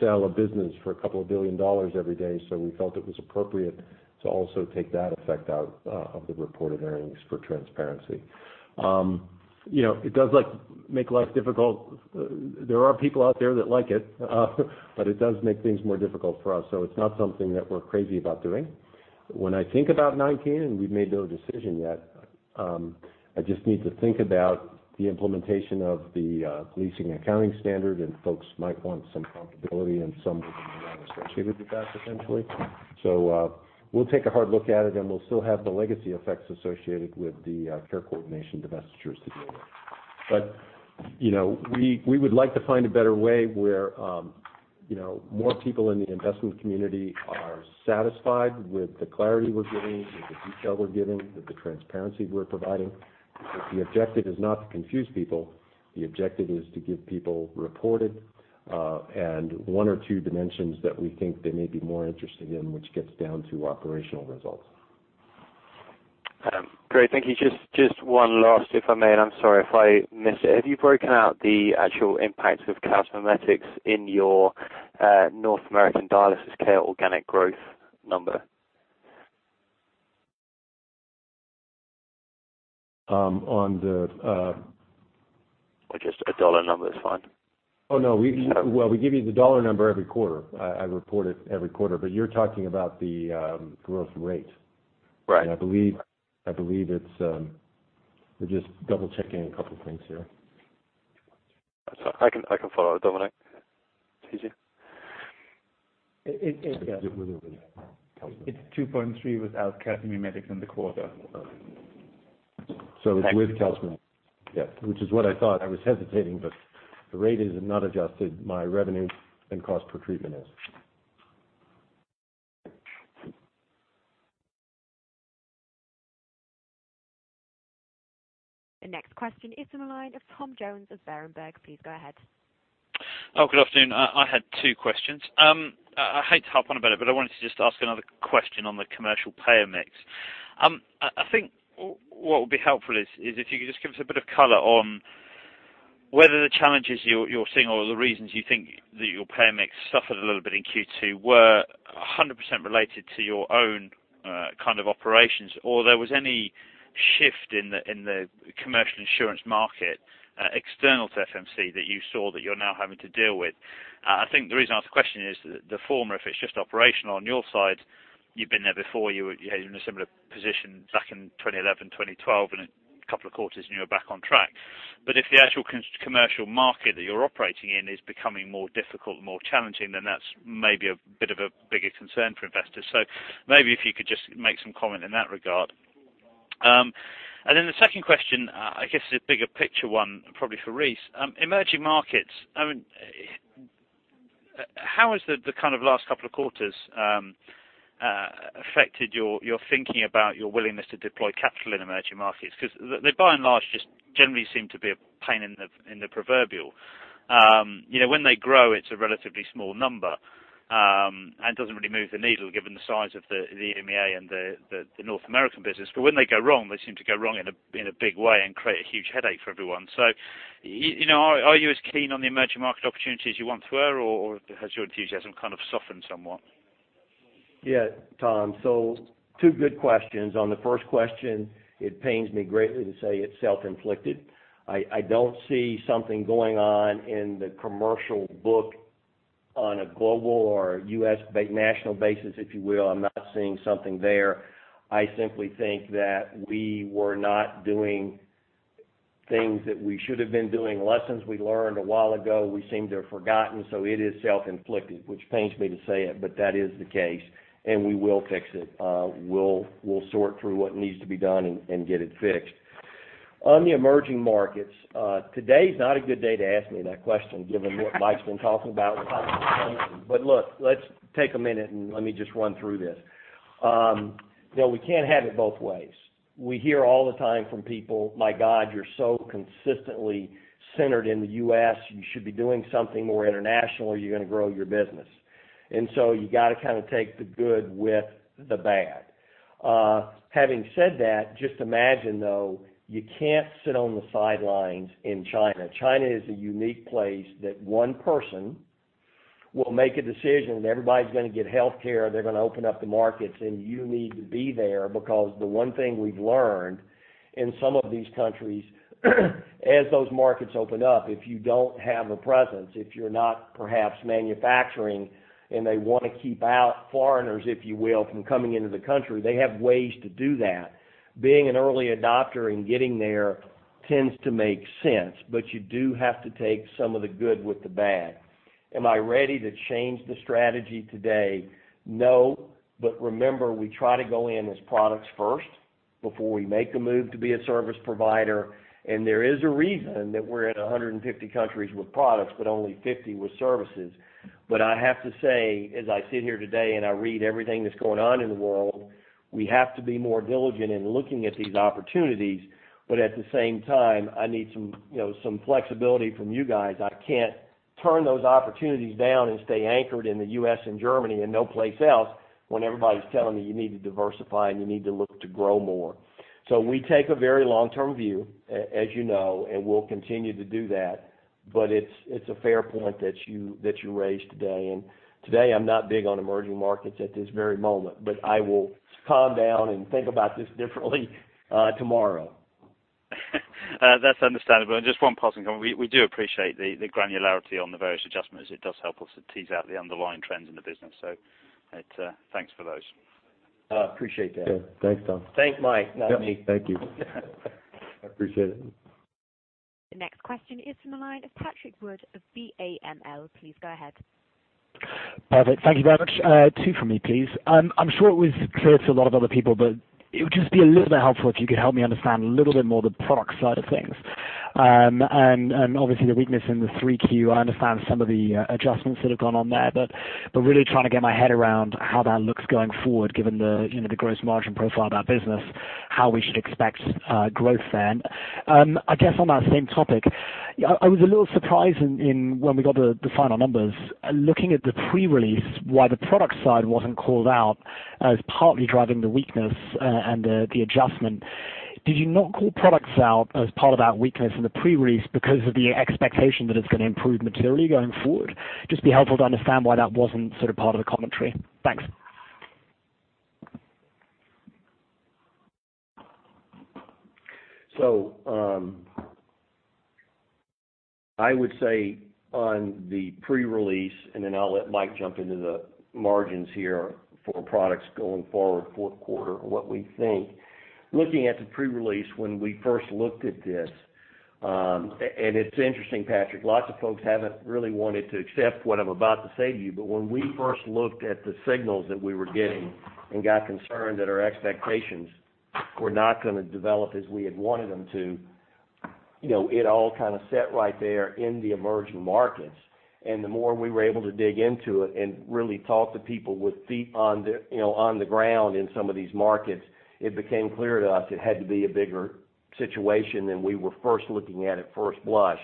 sell a business for a couple of billion EUR every day, so we felt it was appropriate to also take that effect out of the reported earnings for transparency. There are people out there that like it, but it does make things more difficult for us, so it's not something that we're crazy about doing. When I think about 2019, and we've made no decision yet, I just need to think about the implementation of the leasing accounting standard, and folks might want some comfortability and some movement around associated with that potentially. We'll take a hard look at it, and we'll still have the legacy effects associated with the care coordination divestitures to deal with. We would like to find a better way where more people in the investment community are satisfied with the clarity we're giving, with the detail we're giving, with the transparency we're providing. The objective is not to confuse people. The objective is to give people reported and one or two dimensions that we think they may be more interested in, which gets down to operational results. Great. Thank you. Just one last, if I may, and I'm sorry if I missed it. Have you broken out the actual impact of calcimimetics in your North American dialysis care organic growth number? On the- Just a dollar number is fine. Oh, no. Well, we give you the dollar number every quarter. I report it every quarter, but you're talking about the growth rate. Right. I believe We're just double-checking a couple things here. That's all. I can follow up, Dominik. It's easy. It's 2.3 without calcimimetics in the quarter. It's with calcimimetics. Thank you. Yeah. Which is what I thought. I was hesitating, the rate is not adjusted, my revenue and cost per treatment is. The next question is in the line of Tom Jones of Berenberg. Please go ahead. Oh, good afternoon. I had two questions. I hate to harp on about it, I wanted to just ask another question on the commercial payer mix. I think what would be helpful is if you could just give us a bit of color on whether the challenges you're seeing or the reasons you think that your payer mix suffered a little bit in Q2 were 100% related to your own kind of operations, or there was any shift in the commercial insurance market external to FMC that you saw that you're now having to deal with. I think the reason I ask the question is the former, if it's just operational on your side, you've been there before. You had a similar position back in 2011, 2012, and a couple of quarters and you were back on track. If the actual commercial market that you're operating in is becoming more difficult and more challenging, then that's maybe a bit of a bigger concern for investors. Maybe if you could just make some comment in that regard. The second question, I guess, is a bigger picture one probably for Rice. Emerging markets. How has the kind of last couple of quarters affected your thinking about your willingness to deploy capital in emerging markets? They by and large just generally seem to be a pain in the proverbial. When they grow, it's a relatively small number, and doesn't really move the needle given the size of the EMEA and the North American business. When they go wrong, they seem to go wrong in a big way and create a huge headache for everyone. Are you as keen on the emerging market opportunity as you once were, or has your enthusiasm kind of softened somewhat? Yeah, Tom. Two good questions. On the first question, it pains me greatly to say it's self-inflicted. I don't see something going on in the commercial book on a global or U.S. national basis, if you will. I'm not seeing something there. I simply think that we were not doing things that we should've been doing, lessons we learned a while ago, we seem to have forgotten. It is self-inflicted, which pains me to say it, but that is the case, and we will fix it. We'll sort through what needs to be done and get it fixed. On the emerging markets, today's not a good day to ask me that question, given what Mike's been talking about. Look, let's take a minute, and let me just run through this. We can't have it both ways. We hear all the time from people, "My God, you're so consistently centered in the U.S., you should be doing something more international or you're going to grow your business." You got to kind of take the good with the bad. Having said that, just imagine though, you can't sit on the sidelines in China. China is a unique place that one person will make a decision that everybody's going to get healthcare, they're going to open up the markets, and you need to be there because the one thing we've learned in some of these countries, as those markets open up, if you don't have a presence, if you're not perhaps manufacturing, and they want to keep out foreigners, if you will, from coming into the country, they have ways to do that. Being an early adopter and getting there tends to make sense, but you do have to take some of the good with the bad. Am I ready to change the strategy today? No. Remember, we try to go in as products first before we make a move to be a service provider, and there is a reason that we're in 150 countries with products, but only 50 with services. I have to say, as I sit here today and I read everything that's going on in the world, we have to be more diligent in looking at these opportunities. At the same time, I need some flexibility from you guys. I can't turn those opportunities down and stay anchored in the U.S. and Germany and no place else when everybody's telling me you need to diversify and you need to look to grow more. We take a very long-term view, as you know, and we'll continue to do that, but it's a fair point that you raised today, and today I'm not big on emerging markets at this very moment, but I will calm down and think about this differently tomorrow. That's understandable. Just one parting comment. We do appreciate the granularity on the various adjustments. It does help us to tease out the underlying trends in the business. Thanks for those. Appreciate that. Thanks, Tom. Thank Mike, not me. Yep. Thank you. I appreciate it. The next question is from the line of Patrick Wood of BAML. Please go ahead. Perfect. Thank you very much. Two from me, please. I'm sure it was clear to a lot of other people, but it would just be a little bit helpful if you could help me understand a little bit more the product side of things. Obviously the weakness in the 3Q, I understand some of the adjustments that have gone on there, really trying to get my head around how that looks going forward given the gross margin profile of that business, how we should expect growth. I guess on that same topic, I was a little surprised when we got the final numbers. Looking at the pre-release, why the product side wasn't called out as partly driving the weakness and the adjustment. Did you not call products out as part of that weakness in the pre-release because of the expectation that it's going to improve materially going forward? It would just be helpful to understand why that wasn't sort of part of the commentary. Thanks. I would say on the pre-release, then I'll let Mike jump into the margins here for products going forward, fourth quarter, what we think. Looking at the pre-release when we first looked at this, it's interesting, Patrick, lots of folks haven't really wanted to accept what I'm about to say to you, when we first looked at the signals that we were getting and got concerned that our expectations were not going to develop as we had wanted them to, it all kind of set right there in the emerging markets. The more we were able to dig into it and really talk to people with feet on the ground in some of these markets, it became clear to us it had to be a bigger situation than we were first looking at first blush.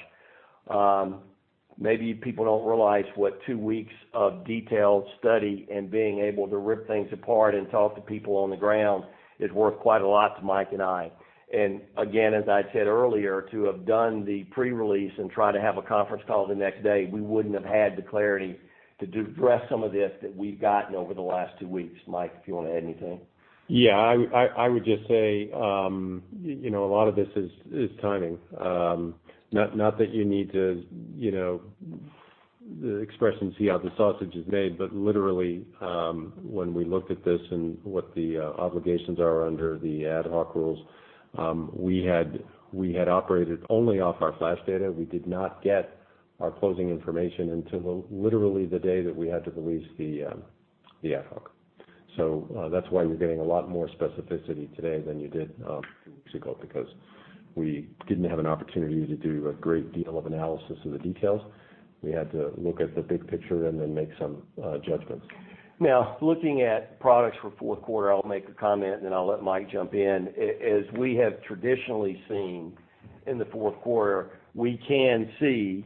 Maybe people don't realize what two weeks of detailed study and being able to rip things apart and talk to people on the ground is worth quite a lot to Mike and I. Again, as I said earlier, to have done the pre-release and try to have a conference call the next day, we wouldn't have had the clarity to address some of this that we've gotten over the last two weeks. Mike, if you want to add anything. I would just say, a lot of this is timing. Not that you need to, the expression, see how the sausage is made, literally, when we looked at this and what the obligations are under the ad hoc rules, we had operated only off our flash data. We did not get our closing information until literally the day that we had to release the ad hoc. That's why you're getting a lot more specificity today than you did two weeks ago, because we didn't have an opportunity to do a great deal of analysis of the details. We had to look at the big picture, then make some judgments. Looking at products for fourth quarter, I'll make a comment, then I'll let Mike jump in. As we have traditionally seen in the fourth quarter, we can see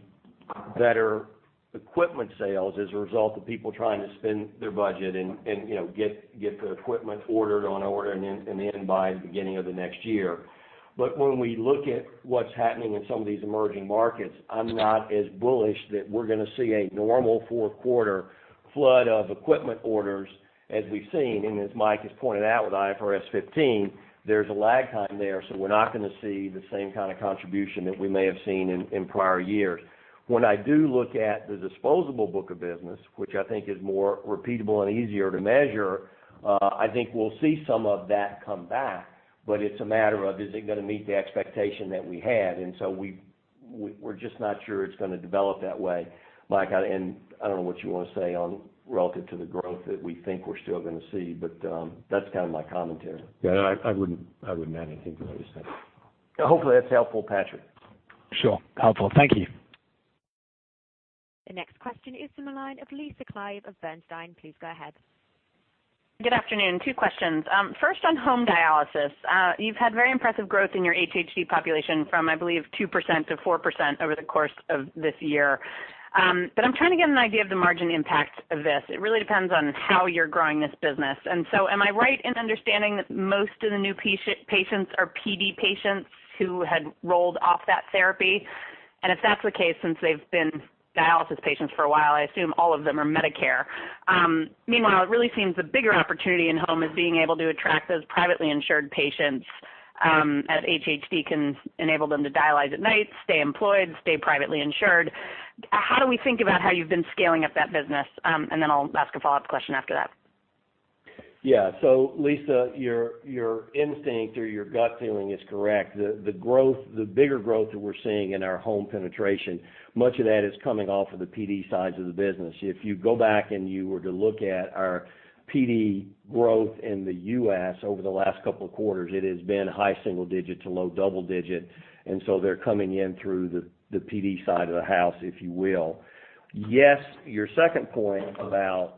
better equipment sales as a result of people trying to spend their budget and get the equipment ordered on order and in by the beginning of the next year. When we look at what's happening in some of these emerging markets, I'm not as bullish that we're going to see a normal fourth quarter flood of equipment orders as we've seen. As Mike has pointed out, with IFRS 15, there's a lag time there, we're not going to see the same kind of contribution that we may have seen in prior years. I do look at the disposable book of business, which I think is more repeatable and easier to measure, I think we'll see some of that come back. It's a matter of, is it going to meet the expectation that we had? We're just not sure it's going to develop that way. Mike, I don't know what you want to say on relative to the growth that we think we're still going to see, but that's kind of my commentary. Yeah, I wouldn't add anything to what you said. Hopefully that's helpful, Patrick. Sure. Helpful. Thank you. The next question is from the line of Lisa Clive of Bernstein. Please go ahead. Good afternoon. Two questions. First, on home dialysis. You've had very impressive growth in your HHD population from, I believe, 2%-4% over the course of this year. I'm trying to get an idea of the margin impact of this. It really depends on how you're growing this business. Am I right in understanding that most of the new patients are PD patients who had rolled off that therapy? If that's the case, since they've been dialysis patients for a while, I assume all of them are Medicare. Meanwhile, it really seems the bigger opportunity in home is being able to attract those privately insured patients, as HHD can enable them to dialyze at night, stay employed, stay privately insured. How do we think about how you've been scaling up that business? I'll ask a follow-up question after that. Yeah. Lisa, your instinct or your gut feeling is correct. The bigger growth that we're seeing in our home penetration, much of that is coming off of the PD sides of the business. If you go back and you were to look at our PD growth in the U.S. over the last couple of quarters, it has been high single digit to low double digit, they're coming in through the PD side of the house, if you will. Yes, your second point about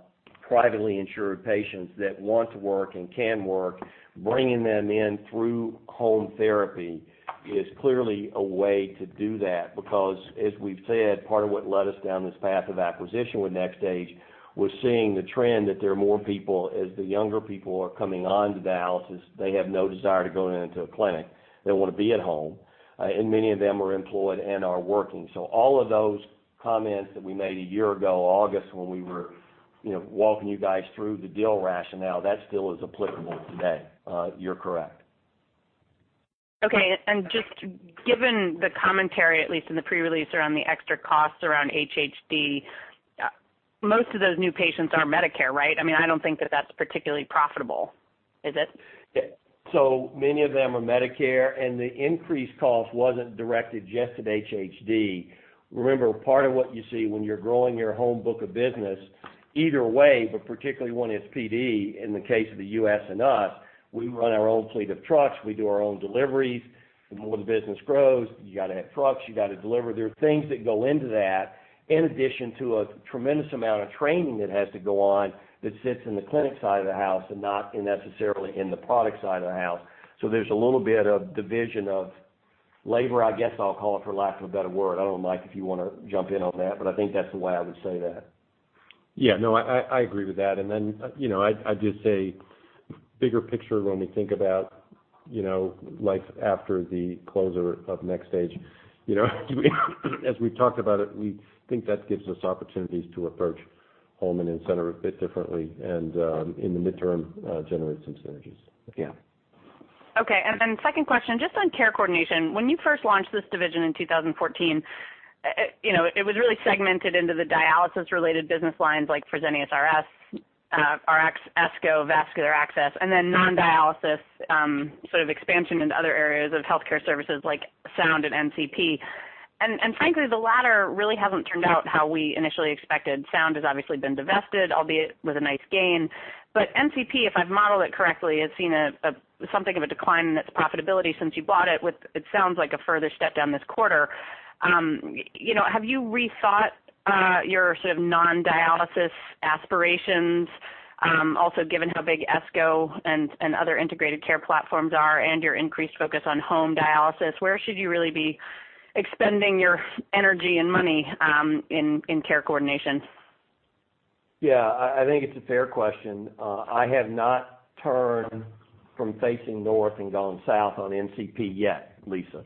privately insured patients that want to work and can work, bringing them in through home therapy is clearly a way to do that. Because, as we've said, part of what led us down this path of acquisition with NxStage was seeing the trend that there are more people, as the younger people are coming onto dialysis, they have no desire to go into a clinic. They want to be at home, and many of them are employed and are working. All of those comments that we made a year ago August, when we were walking you guys through the deal rationale, that still is applicable today. You're correct. Okay, just given the commentary, at least in the pre-release around the extra costs around HHD, most of those new patients are Medicare, right? I don't think that that's particularly profitable, is it? Many of them are Medicare, and the increased cost wasn't directed just at HHD. Remember, part of what you see when you're growing your home book of business, either way, but particularly when it's PD, in the case of the U.S. and us, we run our own fleet of trucks. We do our own deliveries, and when the business grows, you got to have trucks, you got to deliver. There are things that go into that in addition to a tremendous amount of training that has to go on that sits in the clinic side of the house and not necessarily in the product side of the house. There's a little bit of division of labor, I guess I'll call it, for lack of a better word. I don't know, Mike, if you want to jump in on that, I think that's the way I would say that. Yeah. No, I agree with that. I'd just say bigger picture when we think about life after the closure of NxStage as we've talked about it, we think that gives us opportunities to approach home and in-center a bit differently and, in the midterm, generate some synergies. Yeah. Okay. Second question, just on care coordination. When you first launched this division in 2014, it was really segmented into the dialysis-related business lines like Fresenius RS, Rx, ESCO, vascular access, then non-dialysis expansion into other areas of healthcare services like Sound and NCP. Frankly, the latter really hasn't turned out how we initially expected. Sound has obviously been divested, albeit with a nice gain. NCP, if I've modeled it correctly, has seen something of a decline in its profitability since you bought it with, it sounds like, a further step down this quarter. Have you rethought your sort of non-dialysis aspirations? Given how big ESCO and other integrated care platforms are and your increased focus on home dialysis, where should you really be expending your energy and money in care coordination? I think it's a fair question. I have not turned from facing north and gone south on NCP yet, Lisa.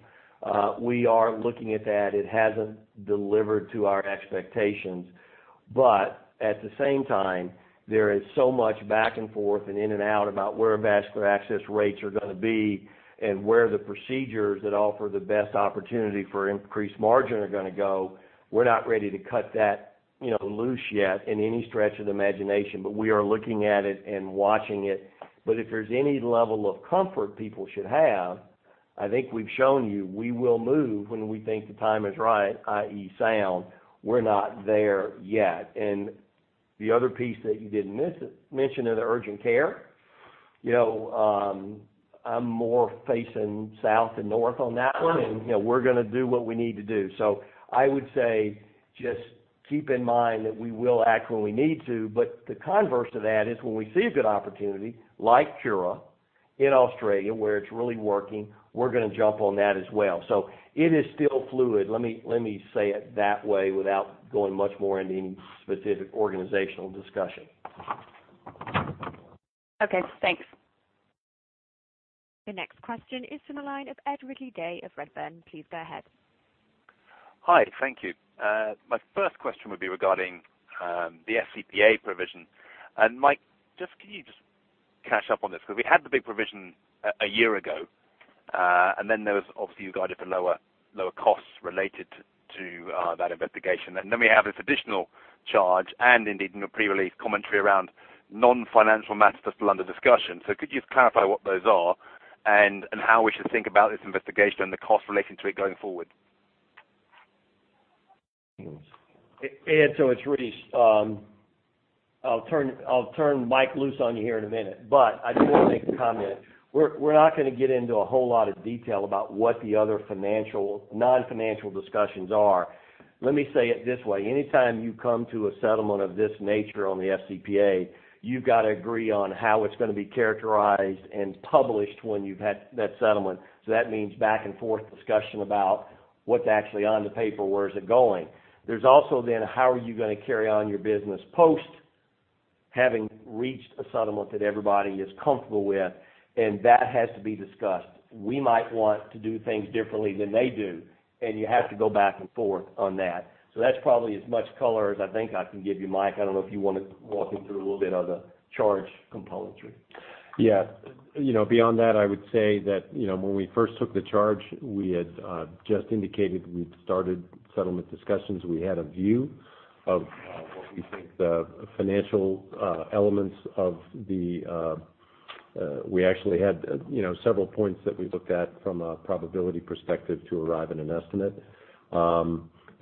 We are looking at that. It hasn't delivered to our expectations. At the same time, there is so much back and forth and in and out about where vascular access rates are going to be and where the procedures that offer the best opportunity for increased margin are going to go. We're not ready to cut that loose yet in any stretch of the imagination, we are looking at it and watching it. If there's any level of comfort people should have, I think we've shown you we will move when we think the time is right, i.e., Sound. We're not there yet. The other piece that you didn't mention in the urgent care. I'm more facing south than north on that one. Okay. We're going to do what we need to do. I would say, just keep in mind that we will act when we need to, the converse to that is when we see a good opportunity, like Cura in Australia, where it's really working, we're going to jump on that as well. It is still fluid. Let me say it that way without going much more into any specific organizational discussion. Okay, thanks. The next question is from the line of Ed Ridley-Day of Redburn. Please go ahead. Hi. Thank you. My first question would be regarding the FCPA provision. Mike, can you just catch up on this? We had the big provision one year ago, then there was obviously you guided for lower costs related to that investigation. We have this additional charge and indeed in the pre-release commentary around non-financial matters that are still under discussion. Could you just clarify what those are and how we should think about this investigation and the cost relating to it going forward? Ed, it's Rice. I'll turn Mike loose on you here in a minute, but I do want to make a comment. We're not going to get into a whole lot of detail about what the other non-financial discussions are. Let me say it this way, anytime you come to a settlement of this nature on the FCPA, you've got to agree on how it's going to be characterized and published when you've had that settlement. That means back-and-forth discussion about what's actually on the paper, where is it going. There's also how are you going to carry on your business post having reached a settlement that everybody is comfortable with, and that has to be discussed. We might want to do things differently than they do, and you have to go back and forth on that. That's probably as much color as I think I can give you. Mike, I don't know if you want to walk him through a little bit of the charge componentry. Beyond that, I would say that when we first took the charge, we had just indicated we'd started settlement discussions. We had a view of what we think the financial elements of We actually had several points that we looked at from a probability perspective to arrive at an estimate.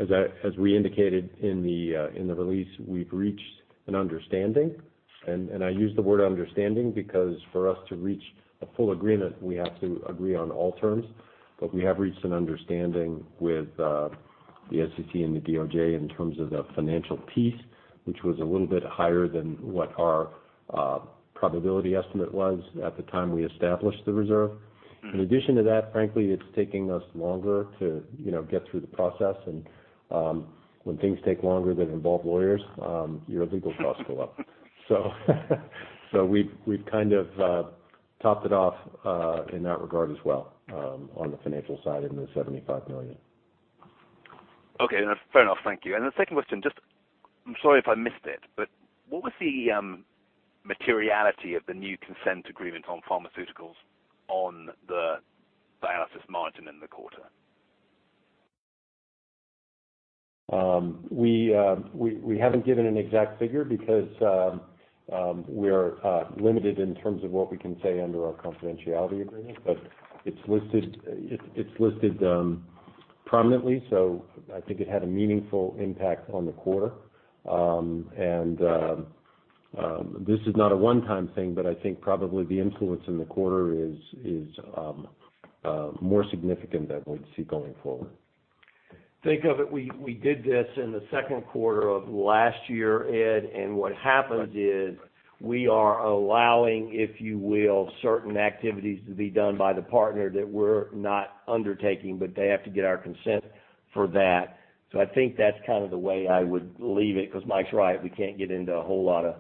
As we indicated in the release, we've reached an understanding, and I use the word understanding because for us to reach a full agreement, we have to agree on all terms. We have reached an understanding with the SEC and the DOJ in terms of the financial piece, which was a little bit higher than what our probability estimate was at the time we established the reserve. In addition to that, frankly, it's taking us longer to get through the process, and when things take longer that involve lawyers, your legal costs go up. We've kind of topped it off in that regard as well on the financial side in the 75 million. Fair enough. Thank you. The second question, I'm sorry if I missed it, but what was the materiality of the new consent agreement on pharmaceuticals on the dialysis margin in the quarter? We haven't given an exact figure because we're limited in terms of what we can say under our confidentiality agreement. It's listed prominently, so I think it had a meaningful impact on the quarter. This is not a one-time thing, but I think probably the influence in the quarter is more significant than what you'll see going forward. Think of it, we did this in the second quarter of last year, Ed. What happens is we are allowing, if you will, certain activities to be done by the partner that we're not undertaking, but they have to get our consent for that. I think that's kind of the way I would leave it, because Mike's right. We can't get into a whole lot of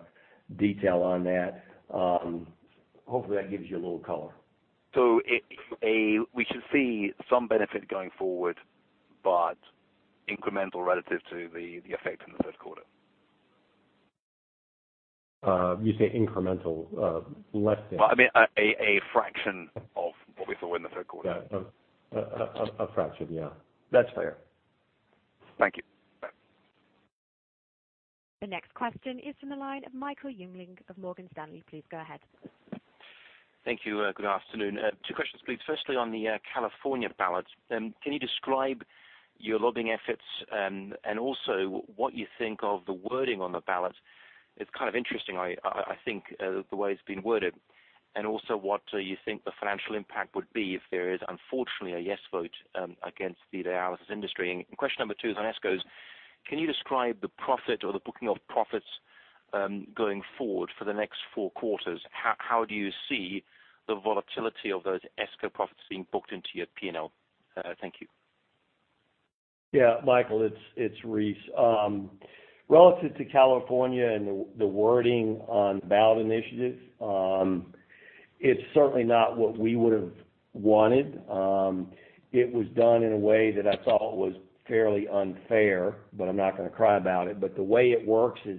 detail on that. Hopefully, that gives you a little color. We should see some benefit going forward, but incremental relative to the effect in the third quarter. You say incremental? Well, I mean, a fraction of what we saw in the third quarter. Yeah. A fraction, yeah. That's fair. Thank you. The next question is from the line of Michael Jüngling of Morgan Stanley. Please go ahead. Thank you. Good afternoon. Two questions, please. Firstly, on the California ballot. Can you describe your lobbying efforts and also what you think of the wording on the ballot? It's kind of interesting, I think, the way it's been worded. Also, what do you think the financial impact would be if there is unfortunately a yes vote against the dialysis industry? Question number two is on ESCOs. Can you describe the profit or the booking of profits going forward for the next four quarters? How do you see the volatility of those ESCO profits being booked into your P&L? Thank you. Michael, it's Reece. Relative to California and the wording on the ballot initiative, it's certainly not what we would've wanted. It was done in a way that I thought was fairly unfair, but I'm not going to cry about it. The way it works is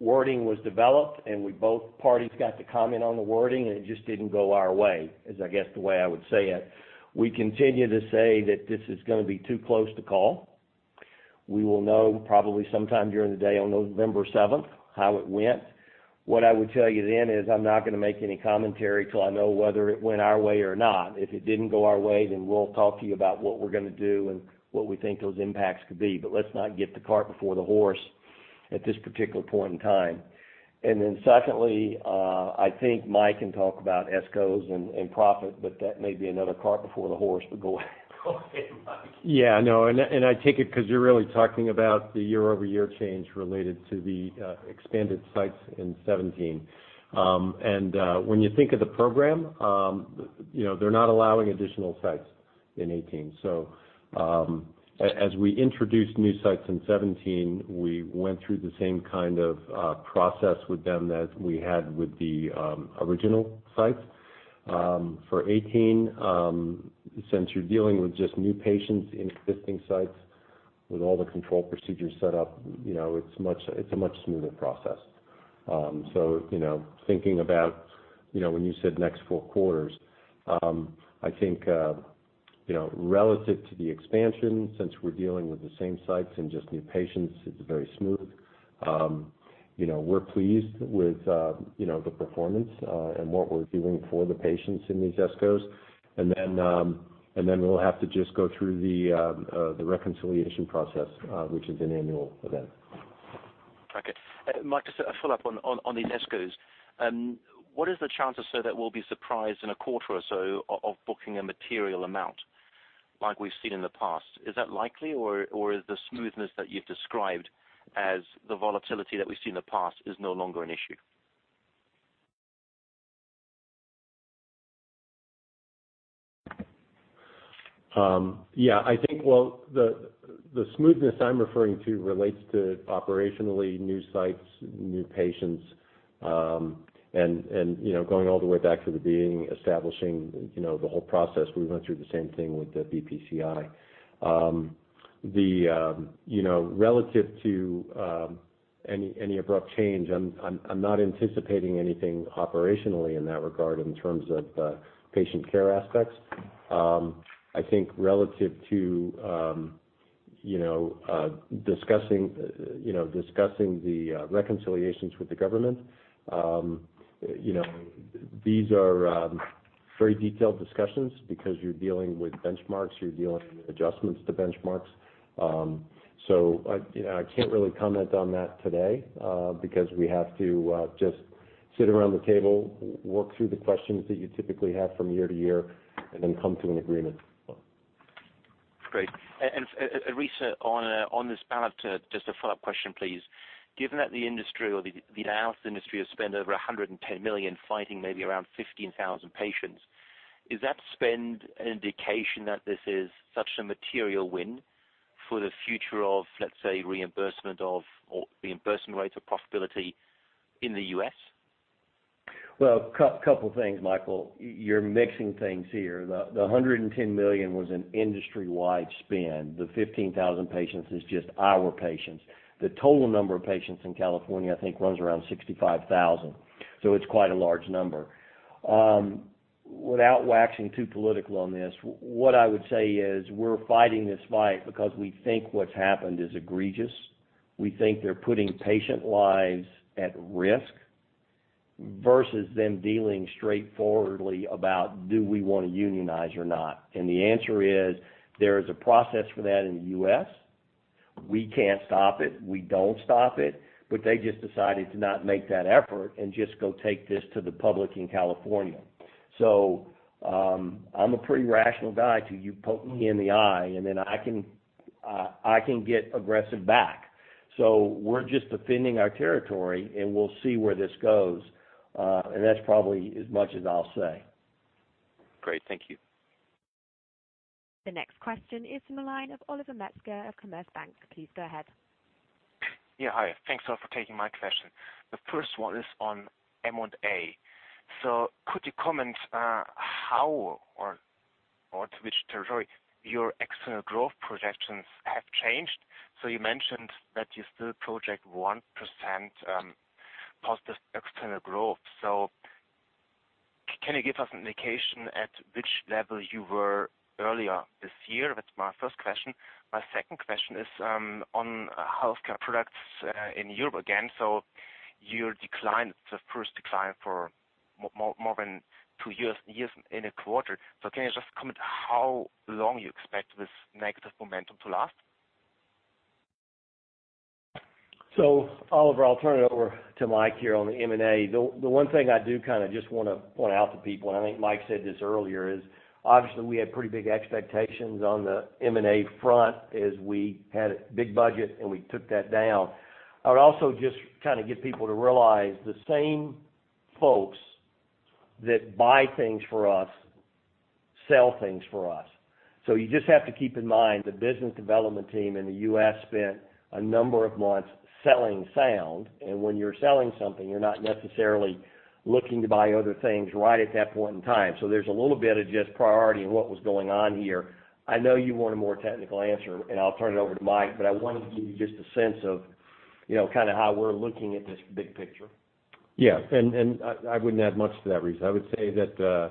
wording was developed, and both parties got to comment on the wording, and it just didn't go our way, is I guess the way I would say it. We continue to say that this is going to be too close to call. We will know probably sometime during the day on November 7th how it went. What I would tell you then is I'm not going to make any commentary till I know whether it went our way or not. If it didn't go our way, we'll talk to you about what we're going to do and what we think those impacts could be, but let's not get the cart before the horse. At this particular point in time. Secondly, I think Mike can talk about ESCOs and profit, but that may be another cart before the horse. Go ahead, Mike. No. I take it because you're really talking about the year-over-year change related to the expanded sites in 2017. When you think of the program, they're not allowing additional sites in 2018. As we introduced new sites in 2017, we went through the same kind of process with them that we had with the original sites. For 2018, since you're dealing with just new patients in existing sites with all the control procedures set up, it's a much smoother process. Thinking about when you said next four quarters, I think, relative to the expansion, since we're dealing with the same sites and just new patients, it's very smooth. We're pleased with the performance, and what we're doing for the patients in these ESCOs. We'll have to just go through the reconciliation process, which is an annual event. Mike, just a follow-up on these ESCOs. What is the chance or so that we'll be surprised in a quarter or so of booking a material amount like we've seen in the past? Is that likely, or is the smoothness that you've described as the volatility that we've seen in the past is no longer an issue? Yeah. I think, well, the smoothness I'm referring to relates to operationally new sites, new patients, and going all the way back to the beginning, establishing the whole process. We went through the same thing with the BPCI. Relative to any abrupt change, I'm not anticipating anything operationally in that regard in terms of patient care aspects. I think relative to discussing the reconciliations with the government, these are very detailed discussions because you're dealing with benchmarks, you're dealing with adjustments to benchmarks. I can't really comment on that today, because we have to just sit around the table, work through the questions that you typically have from year to year, and then come to an agreement. Great. Rice, on this ballot, just a follow-up question, please. Given that the industry or the dialysis industry has spent over 110 million fighting maybe around 15,000 patients, is that spend an indication that this is such a material win for the future of, let's say, reimbursement rates or profitability in the U.S.? Well, couple of things, Michael. You're mixing things here. The 110 million was an industry-wide spend. The 15,000 patients is just our patients. The total number of patients in California, I think, runs around 65,000, so it's quite a large number. Without waxing too political on this, what I would say is we're fighting this fight because we think what's happened is egregious. We think they're putting patient lives at risk versus them dealing straightforwardly about do we want to unionize or not. The answer is, there is a process for that in the U.S. We can't stop it. We don't stop it. They just decided to not make that effort and just go take this to the public in California. I'm a pretty rational guy till you poke me in the eye, and then I can get aggressive back. We're just defending our territory, and we'll see where this goes. That's probably as much as I'll say. Great. Thank you. The next question is from the line of Oliver Metzger of Commerzbank. Please go ahead. Yeah. Hi. Thanks for taking my question. The first one is on M&A. Could you comment how or to which territory your external growth projections have changed? You mentioned that you still project 1% positive external growth. Can you give us an indication at which level you were earlier this year? That's my first question. My second question is on healthcare products in Europe again. Your decline, it's the first decline for more than two years in a quarter. Can you just comment how long you expect this negative momentum to last? Oliver, I'll turn it over to Mike here on the M&A. The one thing I do kind of just want to point out to people, and I think Mike said this earlier, is obviously we had pretty big expectations on the M&A front as we had a big budget, and we took that down. I would also just kind of get people to realize the same folks that buy things for us sell things for us. You just have to keep in mind the business development team in the U.S. spent a number of months selling Sound, and when you're selling something, you're not necessarily looking to buy other things right at that point in time. There's a little bit of just priority and what was going on here. I know you want a more technical answer. I'll turn it over to Mike, but I wanted to give you just a sense of how we're looking at this big picture. Yeah. I wouldn't add much to that, Rice. I would say that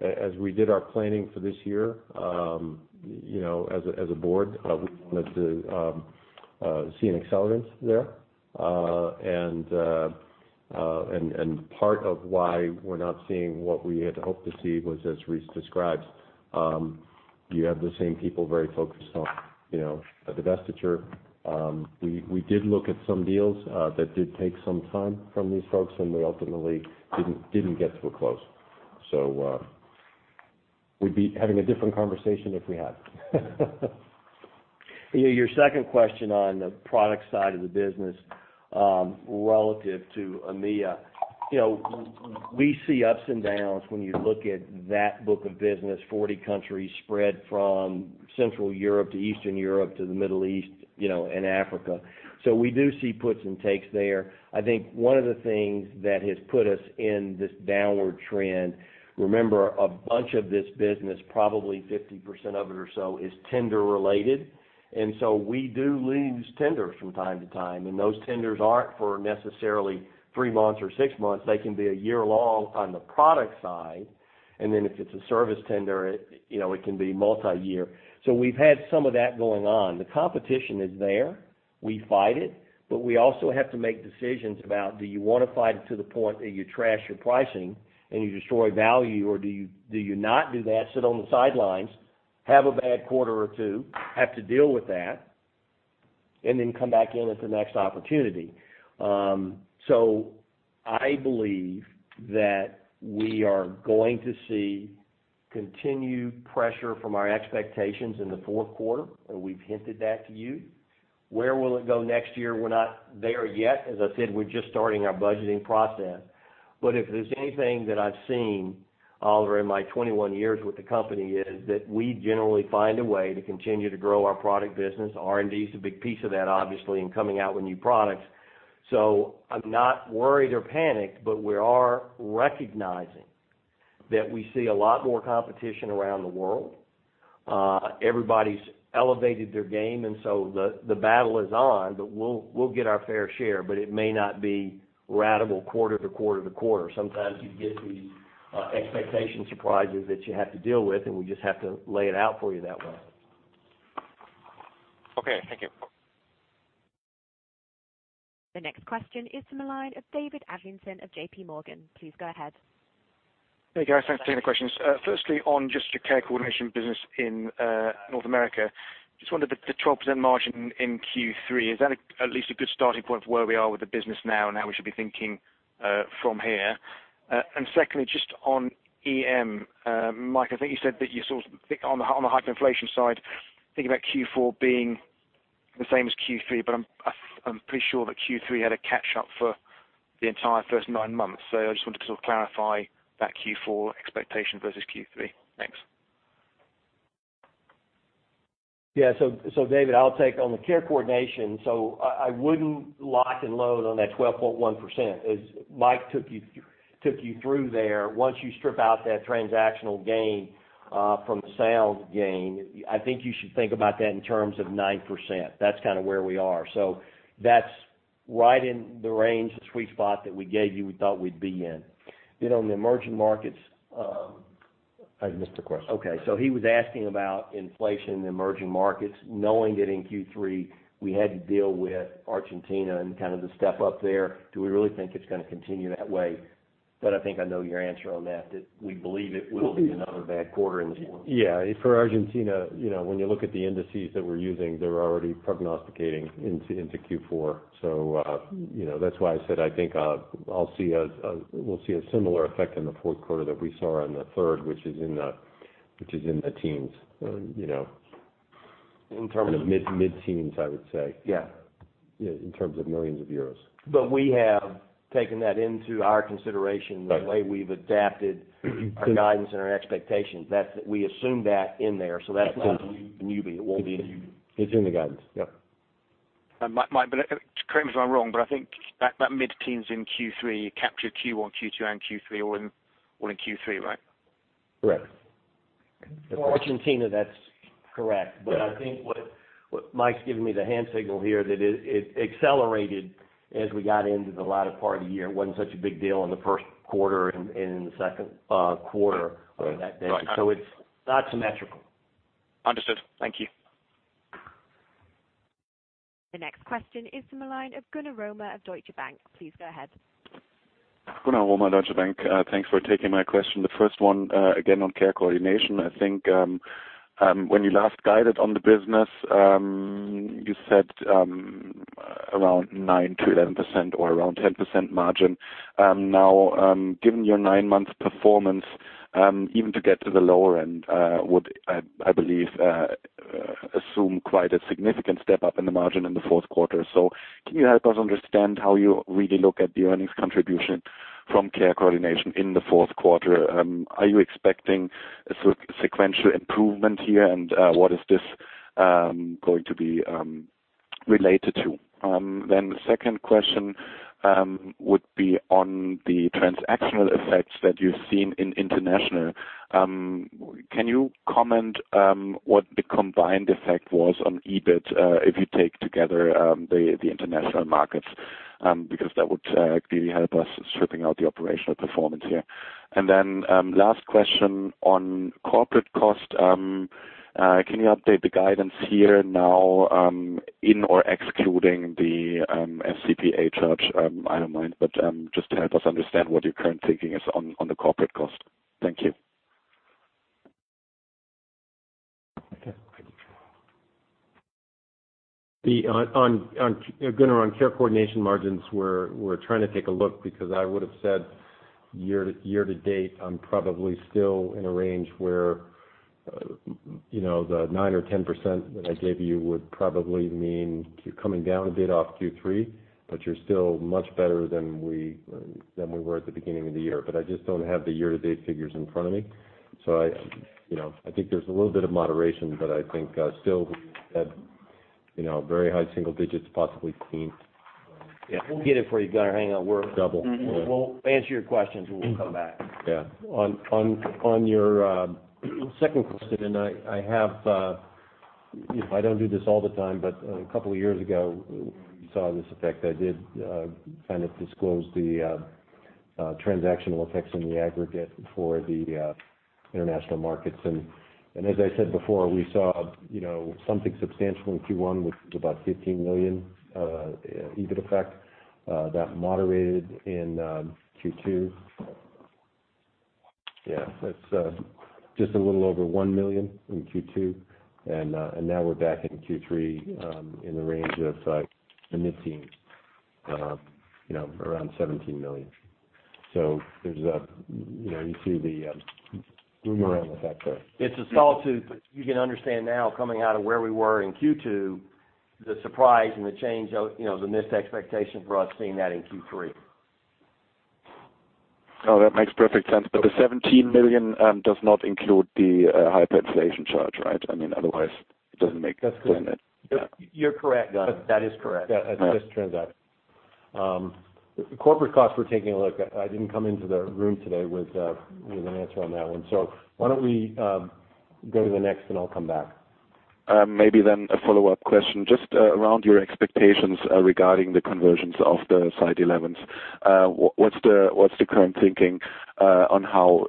as we did our planning for this year, as a board, we wanted to see an accelerant there. Part of why we're not seeing what we had hoped to see was, as Rice describes. You have the same people very focused on divestiture. We did look at some deals that did take some time from these folks, and they ultimately didn't get to a close. We'd be having a different conversation if we had. Your second question on the product side of the business, relative to EMEA. We see ups and downs when you look at that book of business, 40 countries spread from Central Europe to Eastern Europe to the Middle East and Africa. We do see puts and takes there. I think one of the things that has put us in this downward trend, remember, a bunch of this business, probably 50% of it or so, is tender related. We do lose tenders from time to time, and those tenders aren't for necessarily three months or six months. They can be a yearlong on the product side. If it's a service tender, it can be multi-year. We've had some of that going on. The competition is there. We fight it, we also have to make decisions about, do you want to fight it to the point that you trash your pricing and you destroy value, or do you not do that, sit on the sidelines, have a bad quarter or two, have to deal with that, come back in at the next opportunity? I believe that we are going to see continued pressure from our expectations in the fourth quarter, we've hinted that to you. Where will it go next year? We're not there yet. As I said, we're just starting our budgeting process. If there's anything that I've seen, Oliver, in my 21 years with the company, is that we generally find a way to continue to grow our product business. R&D is a big piece of that, obviously, in coming out with new products. I'm not worried or panicked, but we are recognizing that we see a lot more competition around the world. Everybody's elevated their game, the battle is on, but we'll get our fair share, but it may not be ratable quarter to quarter to quarter. Sometimes you get these expectation surprises that you have to deal with, and we just have to lay it out for you that way. Okay. Thank you. The next question is from the line of David Adlington of J.P. Morgan. Please go ahead. Hey, guys. Thanks for taking the questions. Firstly, on just your care coordination business in North America, just wondered, the 12% margin in Q3, is that at least a good starting point for where we are with the business now and how we should be thinking from here? Secondly, just on EM. Mike, I think you said that you sort of think on the hyperinflation side, thinking about Q4 being the same as Q3, but I'm pretty sure that Q3 had a catch-up for the entire first nine months. I just wanted to sort of clarify that Q4 expectation versus Q3. Thanks. David, I'll take on the care coordination. I wouldn't lock and load on that 12.1%. As Mike took you through there, once you strip out that transactional gain from the sales gain, I think you should think about that in terms of 9%. That's kind of where we are. That's right in the range, the sweet spot that we gave you, we thought we'd be in. On the emerging markets- I missed the question. Okay. He was asking about inflation in the emerging markets, knowing that in Q3 we had to deal with Argentina and kind of the step up there. Do we really think it's going to continue that way? I think I know your answer on that we believe it will be another bad quarter in this one. Yeah. For Argentina, when you look at the indices that we're using, they're already prognosticating into Q4. That's why I said I think we'll see a similar effect in the fourth quarter that we saw in the third, which is in the teens. In terms of- Mid-teens, I would say. Yeah. In terms of millions of euros. We have taken that into our consideration. Right the way we've adapted our guidance and our expectations. We assume that in there, so that's not a newbie. It won't be a newbie. It's in the guidance. Yep. Mike, correct me if I'm wrong, but I think that mid-teens in Q3, you captured Q1, Q2, and Q3 all in Q3, right? Correct. For Argentina, that's correct. Yeah. I think what Mike's giving me the hand signal here that it accelerated as we got into the latter part of the year. It wasn't such a big deal in the first quarter and in the second quarter on that basis. Got it. It's not symmetrical. Understood. Thank you. The next question is from the line of Gunnar Romer of Deutsche Bank. Please go ahead. Gunnar Romer, Deutsche Bank. Thanks for taking my question. The first one, again on care coordination. I think, when you last guided on the business, you said around 9%-11% or around 10% margin. Given your nine-month performance, even to get to the lower end, would, I believe, assume quite a significant step up in the margin in the fourth quarter. Can you help us understand how you really look at the earnings contribution from care coordination in the fourth quarter? Are you expecting a sequential improvement here, and what is this going to be related to? The second question would be on the transactional effects that you've seen in international. Can you comment what the combined effect was on EBIT if you take together the international markets? That would really help us helping out the operational performance here. Last question on corporate cost. Can you update the guidance here now, in or excluding the FCPA charge? I don't mind, but just to help us understand what your current thinking is on the corporate cost. Thank you. Okay. Gunnar, on care coordination margins, we're trying to take a look because I would've said year-to-date, I'm probably still in a range where the 9% or 10% that I gave you would probably mean coming down a bit off Q3, but you're still much better than we were at the beginning of the year. I just don't have the year-to-date figures in front of me. I think there's a little bit of moderation, but I think still at very high single digits, possibly teens. Yeah. We'll get it for you, Gunnar. Hang on. Double. We'll answer your questions when we come back. Yeah. On your second question, I don't do this all the time, but a couple of years ago, you saw this effect. I did disclose the transactional effects in the aggregate for the international markets. As I said before, we saw something substantial in Q1 with about 15 million EBIT effect. That moderated in Q2. Yeah, that's just a little over one million EUR in Q2. Now we're back in Q3, in the range of the mid-teens, around EUR 17 million. You see the boomerang effect there. It's a small point, you can understand now coming out of where we were in Q2, the surprise and the change, the missed expectation for us seeing that in Q3. That makes perfect sense. The 17 million does not include the hyperinflation charge, right? Otherwise, it doesn't make sense. You're correct. Yeah. That is correct. Yeah, that's just transact. Corporate costs, we're taking a look. I didn't come into the room today with an answer on that one. Why don't we go to the next, and I'll come back. Maybe a follow-up question, just around your expectations regarding the conversions of the Site 11s. What's the current thinking on how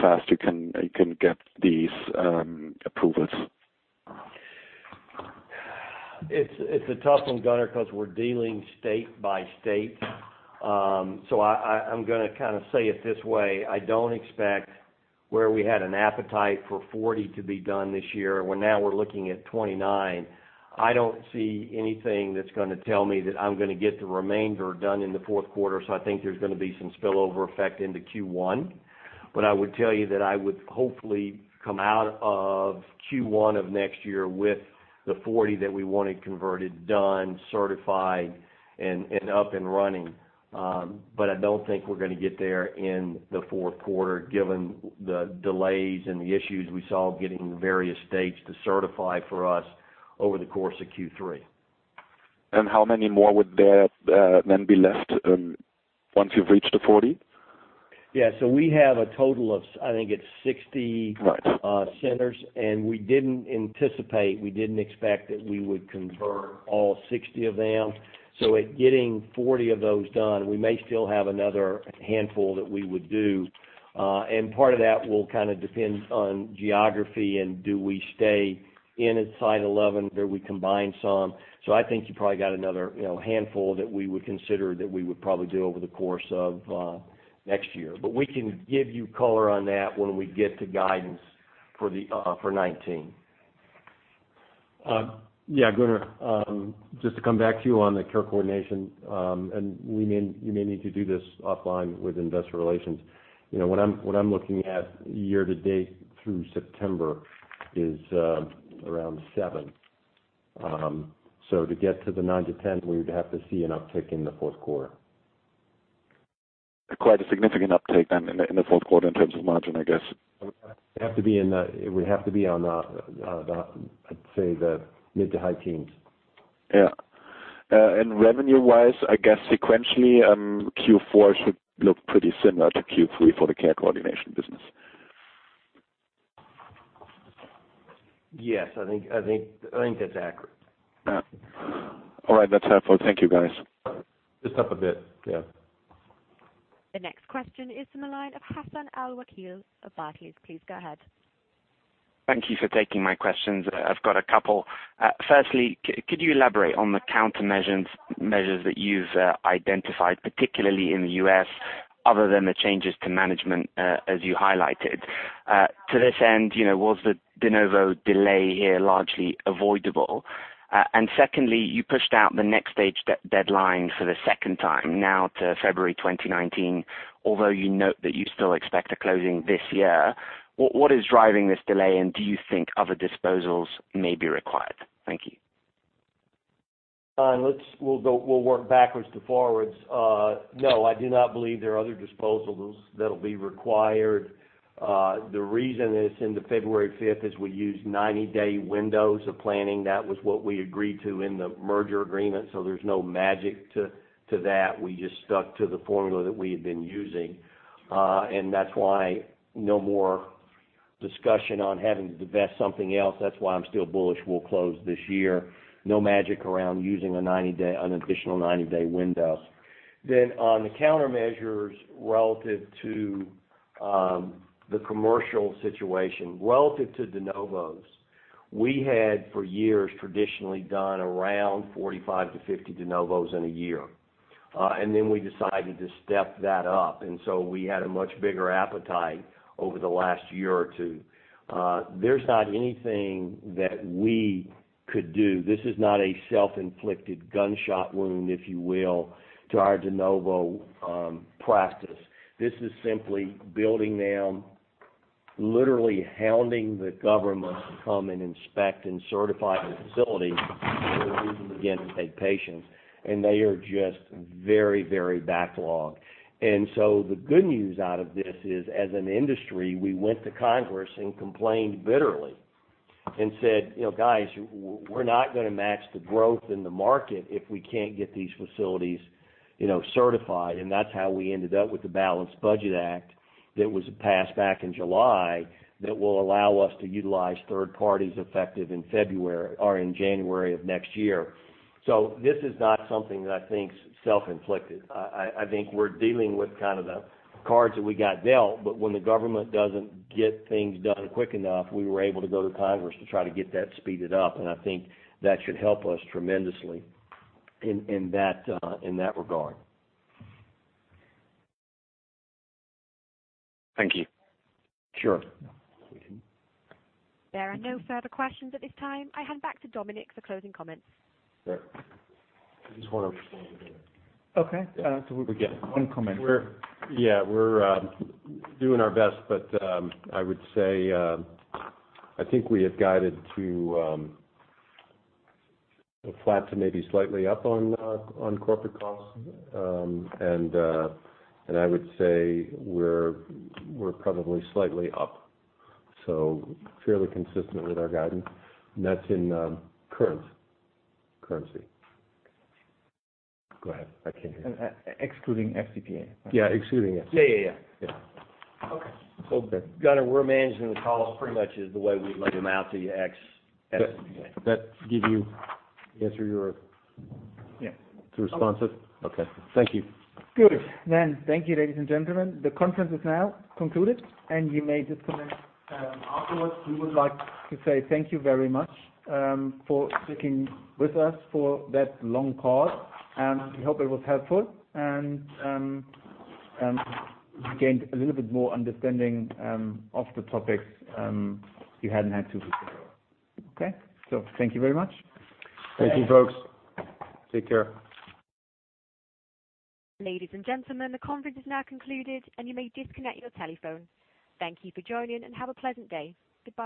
fast you can get these approvals? It's a tough one, Gunnar, because we're dealing state by state. I'm going to say it this way. I don't expect where we had an appetite for 40 to be done this year. Well, now we're looking at 29. I don't see anything that's going to tell me that I'm going to get the remainder done in the fourth quarter, so I think there's going to be some spillover effect into Q1. I would tell you that I would hopefully come out of Q1 of next year with the 40 that we wanted converted, done, certified, and up and running. I don't think we're going to get there in the fourth quarter given the delays and the issues we saw getting various states to certify for us over the course of Q3. How many more would there then be left once you've reached the 40? Yeah. Right centers. We didn't anticipate, we didn't expect that we would convert all 60 of them. At getting 40 of those done, we may still have another handful that we would do. Part of that will depend on geography and do we stay in at Site 11? Do we combine some? I think you probably got another handful that we would consider that we would probably do over the course of next year. We can give you color on that when we get to guidance for 2019. Yeah, Gunnar, just to come back to you on the care coordination. You may need to do this offline with investor relations. What I'm looking at year-to-date through September is around seven. To get to the 9-10, we would have to see an uptick in the fourth quarter. Quite a significant uptick then in the fourth quarter in terms of margin, I guess. We have to be on the, I'd say the mid to high teens. Yeah. Revenue-wise, I guess sequentially, Q4 should look pretty similar to Q3 for the care coordination business. Yes, I think that's accurate. All right, that's helpful. Thank you, guys. Just up a bit. Yeah. The next question is from the line of Hassan Al-Wakeel of Barclays. Please go ahead. Thank you for taking my questions. I've got a couple. Firstly, could you elaborate on the countermeasures that you've identified, particularly in the U.S., other than the changes to management, as you highlighted? To this end, was the de novo delay here largely avoidable? Secondly, you pushed out the NxStage deadline for the second time, now to February 2019, although you note that you still expect a closing this year. What is driving this delay, and do you think other disposals may be required? Thank you. We'll work backwards to forwards. No, I do not believe there are other disposals that'll be required. The reason it's into February 5th is we use 90-day windows of planning. That was what we agreed to in the merger agreement, so there's no magic to that. We just stuck to the formula that we had been using. That's why no more discussion on having to divest something else. That's why I'm still bullish we'll close this year. No magic around using an additional 90-day window. On the countermeasures relative to the commercial situation, relative to de novos, we had for years traditionally done around 45 to 50 de novos in a year. We then decided to step that up. We had a much bigger appetite over the last year or two. There's not anything that we could do. This is not a self-inflicted gunshot wound, if you will, to our de novo practice. This is simply building them, literally hounding the government to come and inspect and certify the facility so that we can begin to take patients, and they are just very backlogged. The good news out of this is, as an industry, we went to Congress and complained bitterly and said, "Guys, we're not going to match the growth in the market if we can't get these facilities certified." That's how we ended up with the Balanced Budget Act that was passed back in July that will allow us to utilize third parties effective in January of next year. This is not something that I think is self-inflicted. I think we're dealing with the cards that we got dealt. When the government doesn't get things done quick enough, we were able to go to Congress to try to get that speeded up, and I think that should help us tremendously in that regard. Thank you. Sure. There are no further questions at this time. I hand back to Dominik for closing comments. Sure. I just want to understand again. Okay. We get one comment. Yeah, we're doing our best. I would say, I think we have guided to flat to maybe slightly up on corporate costs. I would say we're probably slightly up, fairly consistent with our guidance, and that's in currency. Go ahead. I can't hear. Excluding FCPA. Yeah, excluding FCPA. Yeah. Yeah. Okay. Okay. Gunnar, we're managing the costs pretty much as the way we laid them out to you, ex FCPA. That give you the answer you're? Yeah. To responses? Okay. Thank you. Good. Thank you, ladies and gentlemen. The conference is now concluded, and you may disconnect. Afterwards, we would like to say thank you very much for sticking with us for that long call, and we hope it was helpful, and you gained a little bit more understanding of the topics you hadn't had two weeks ago. Okay? Thank you very much. Thank you, folks. Take care. Ladies and gentlemen, the conference is now concluded, and you may disconnect your telephone. Thank you for joining, and have a pleasant day. Goodbye.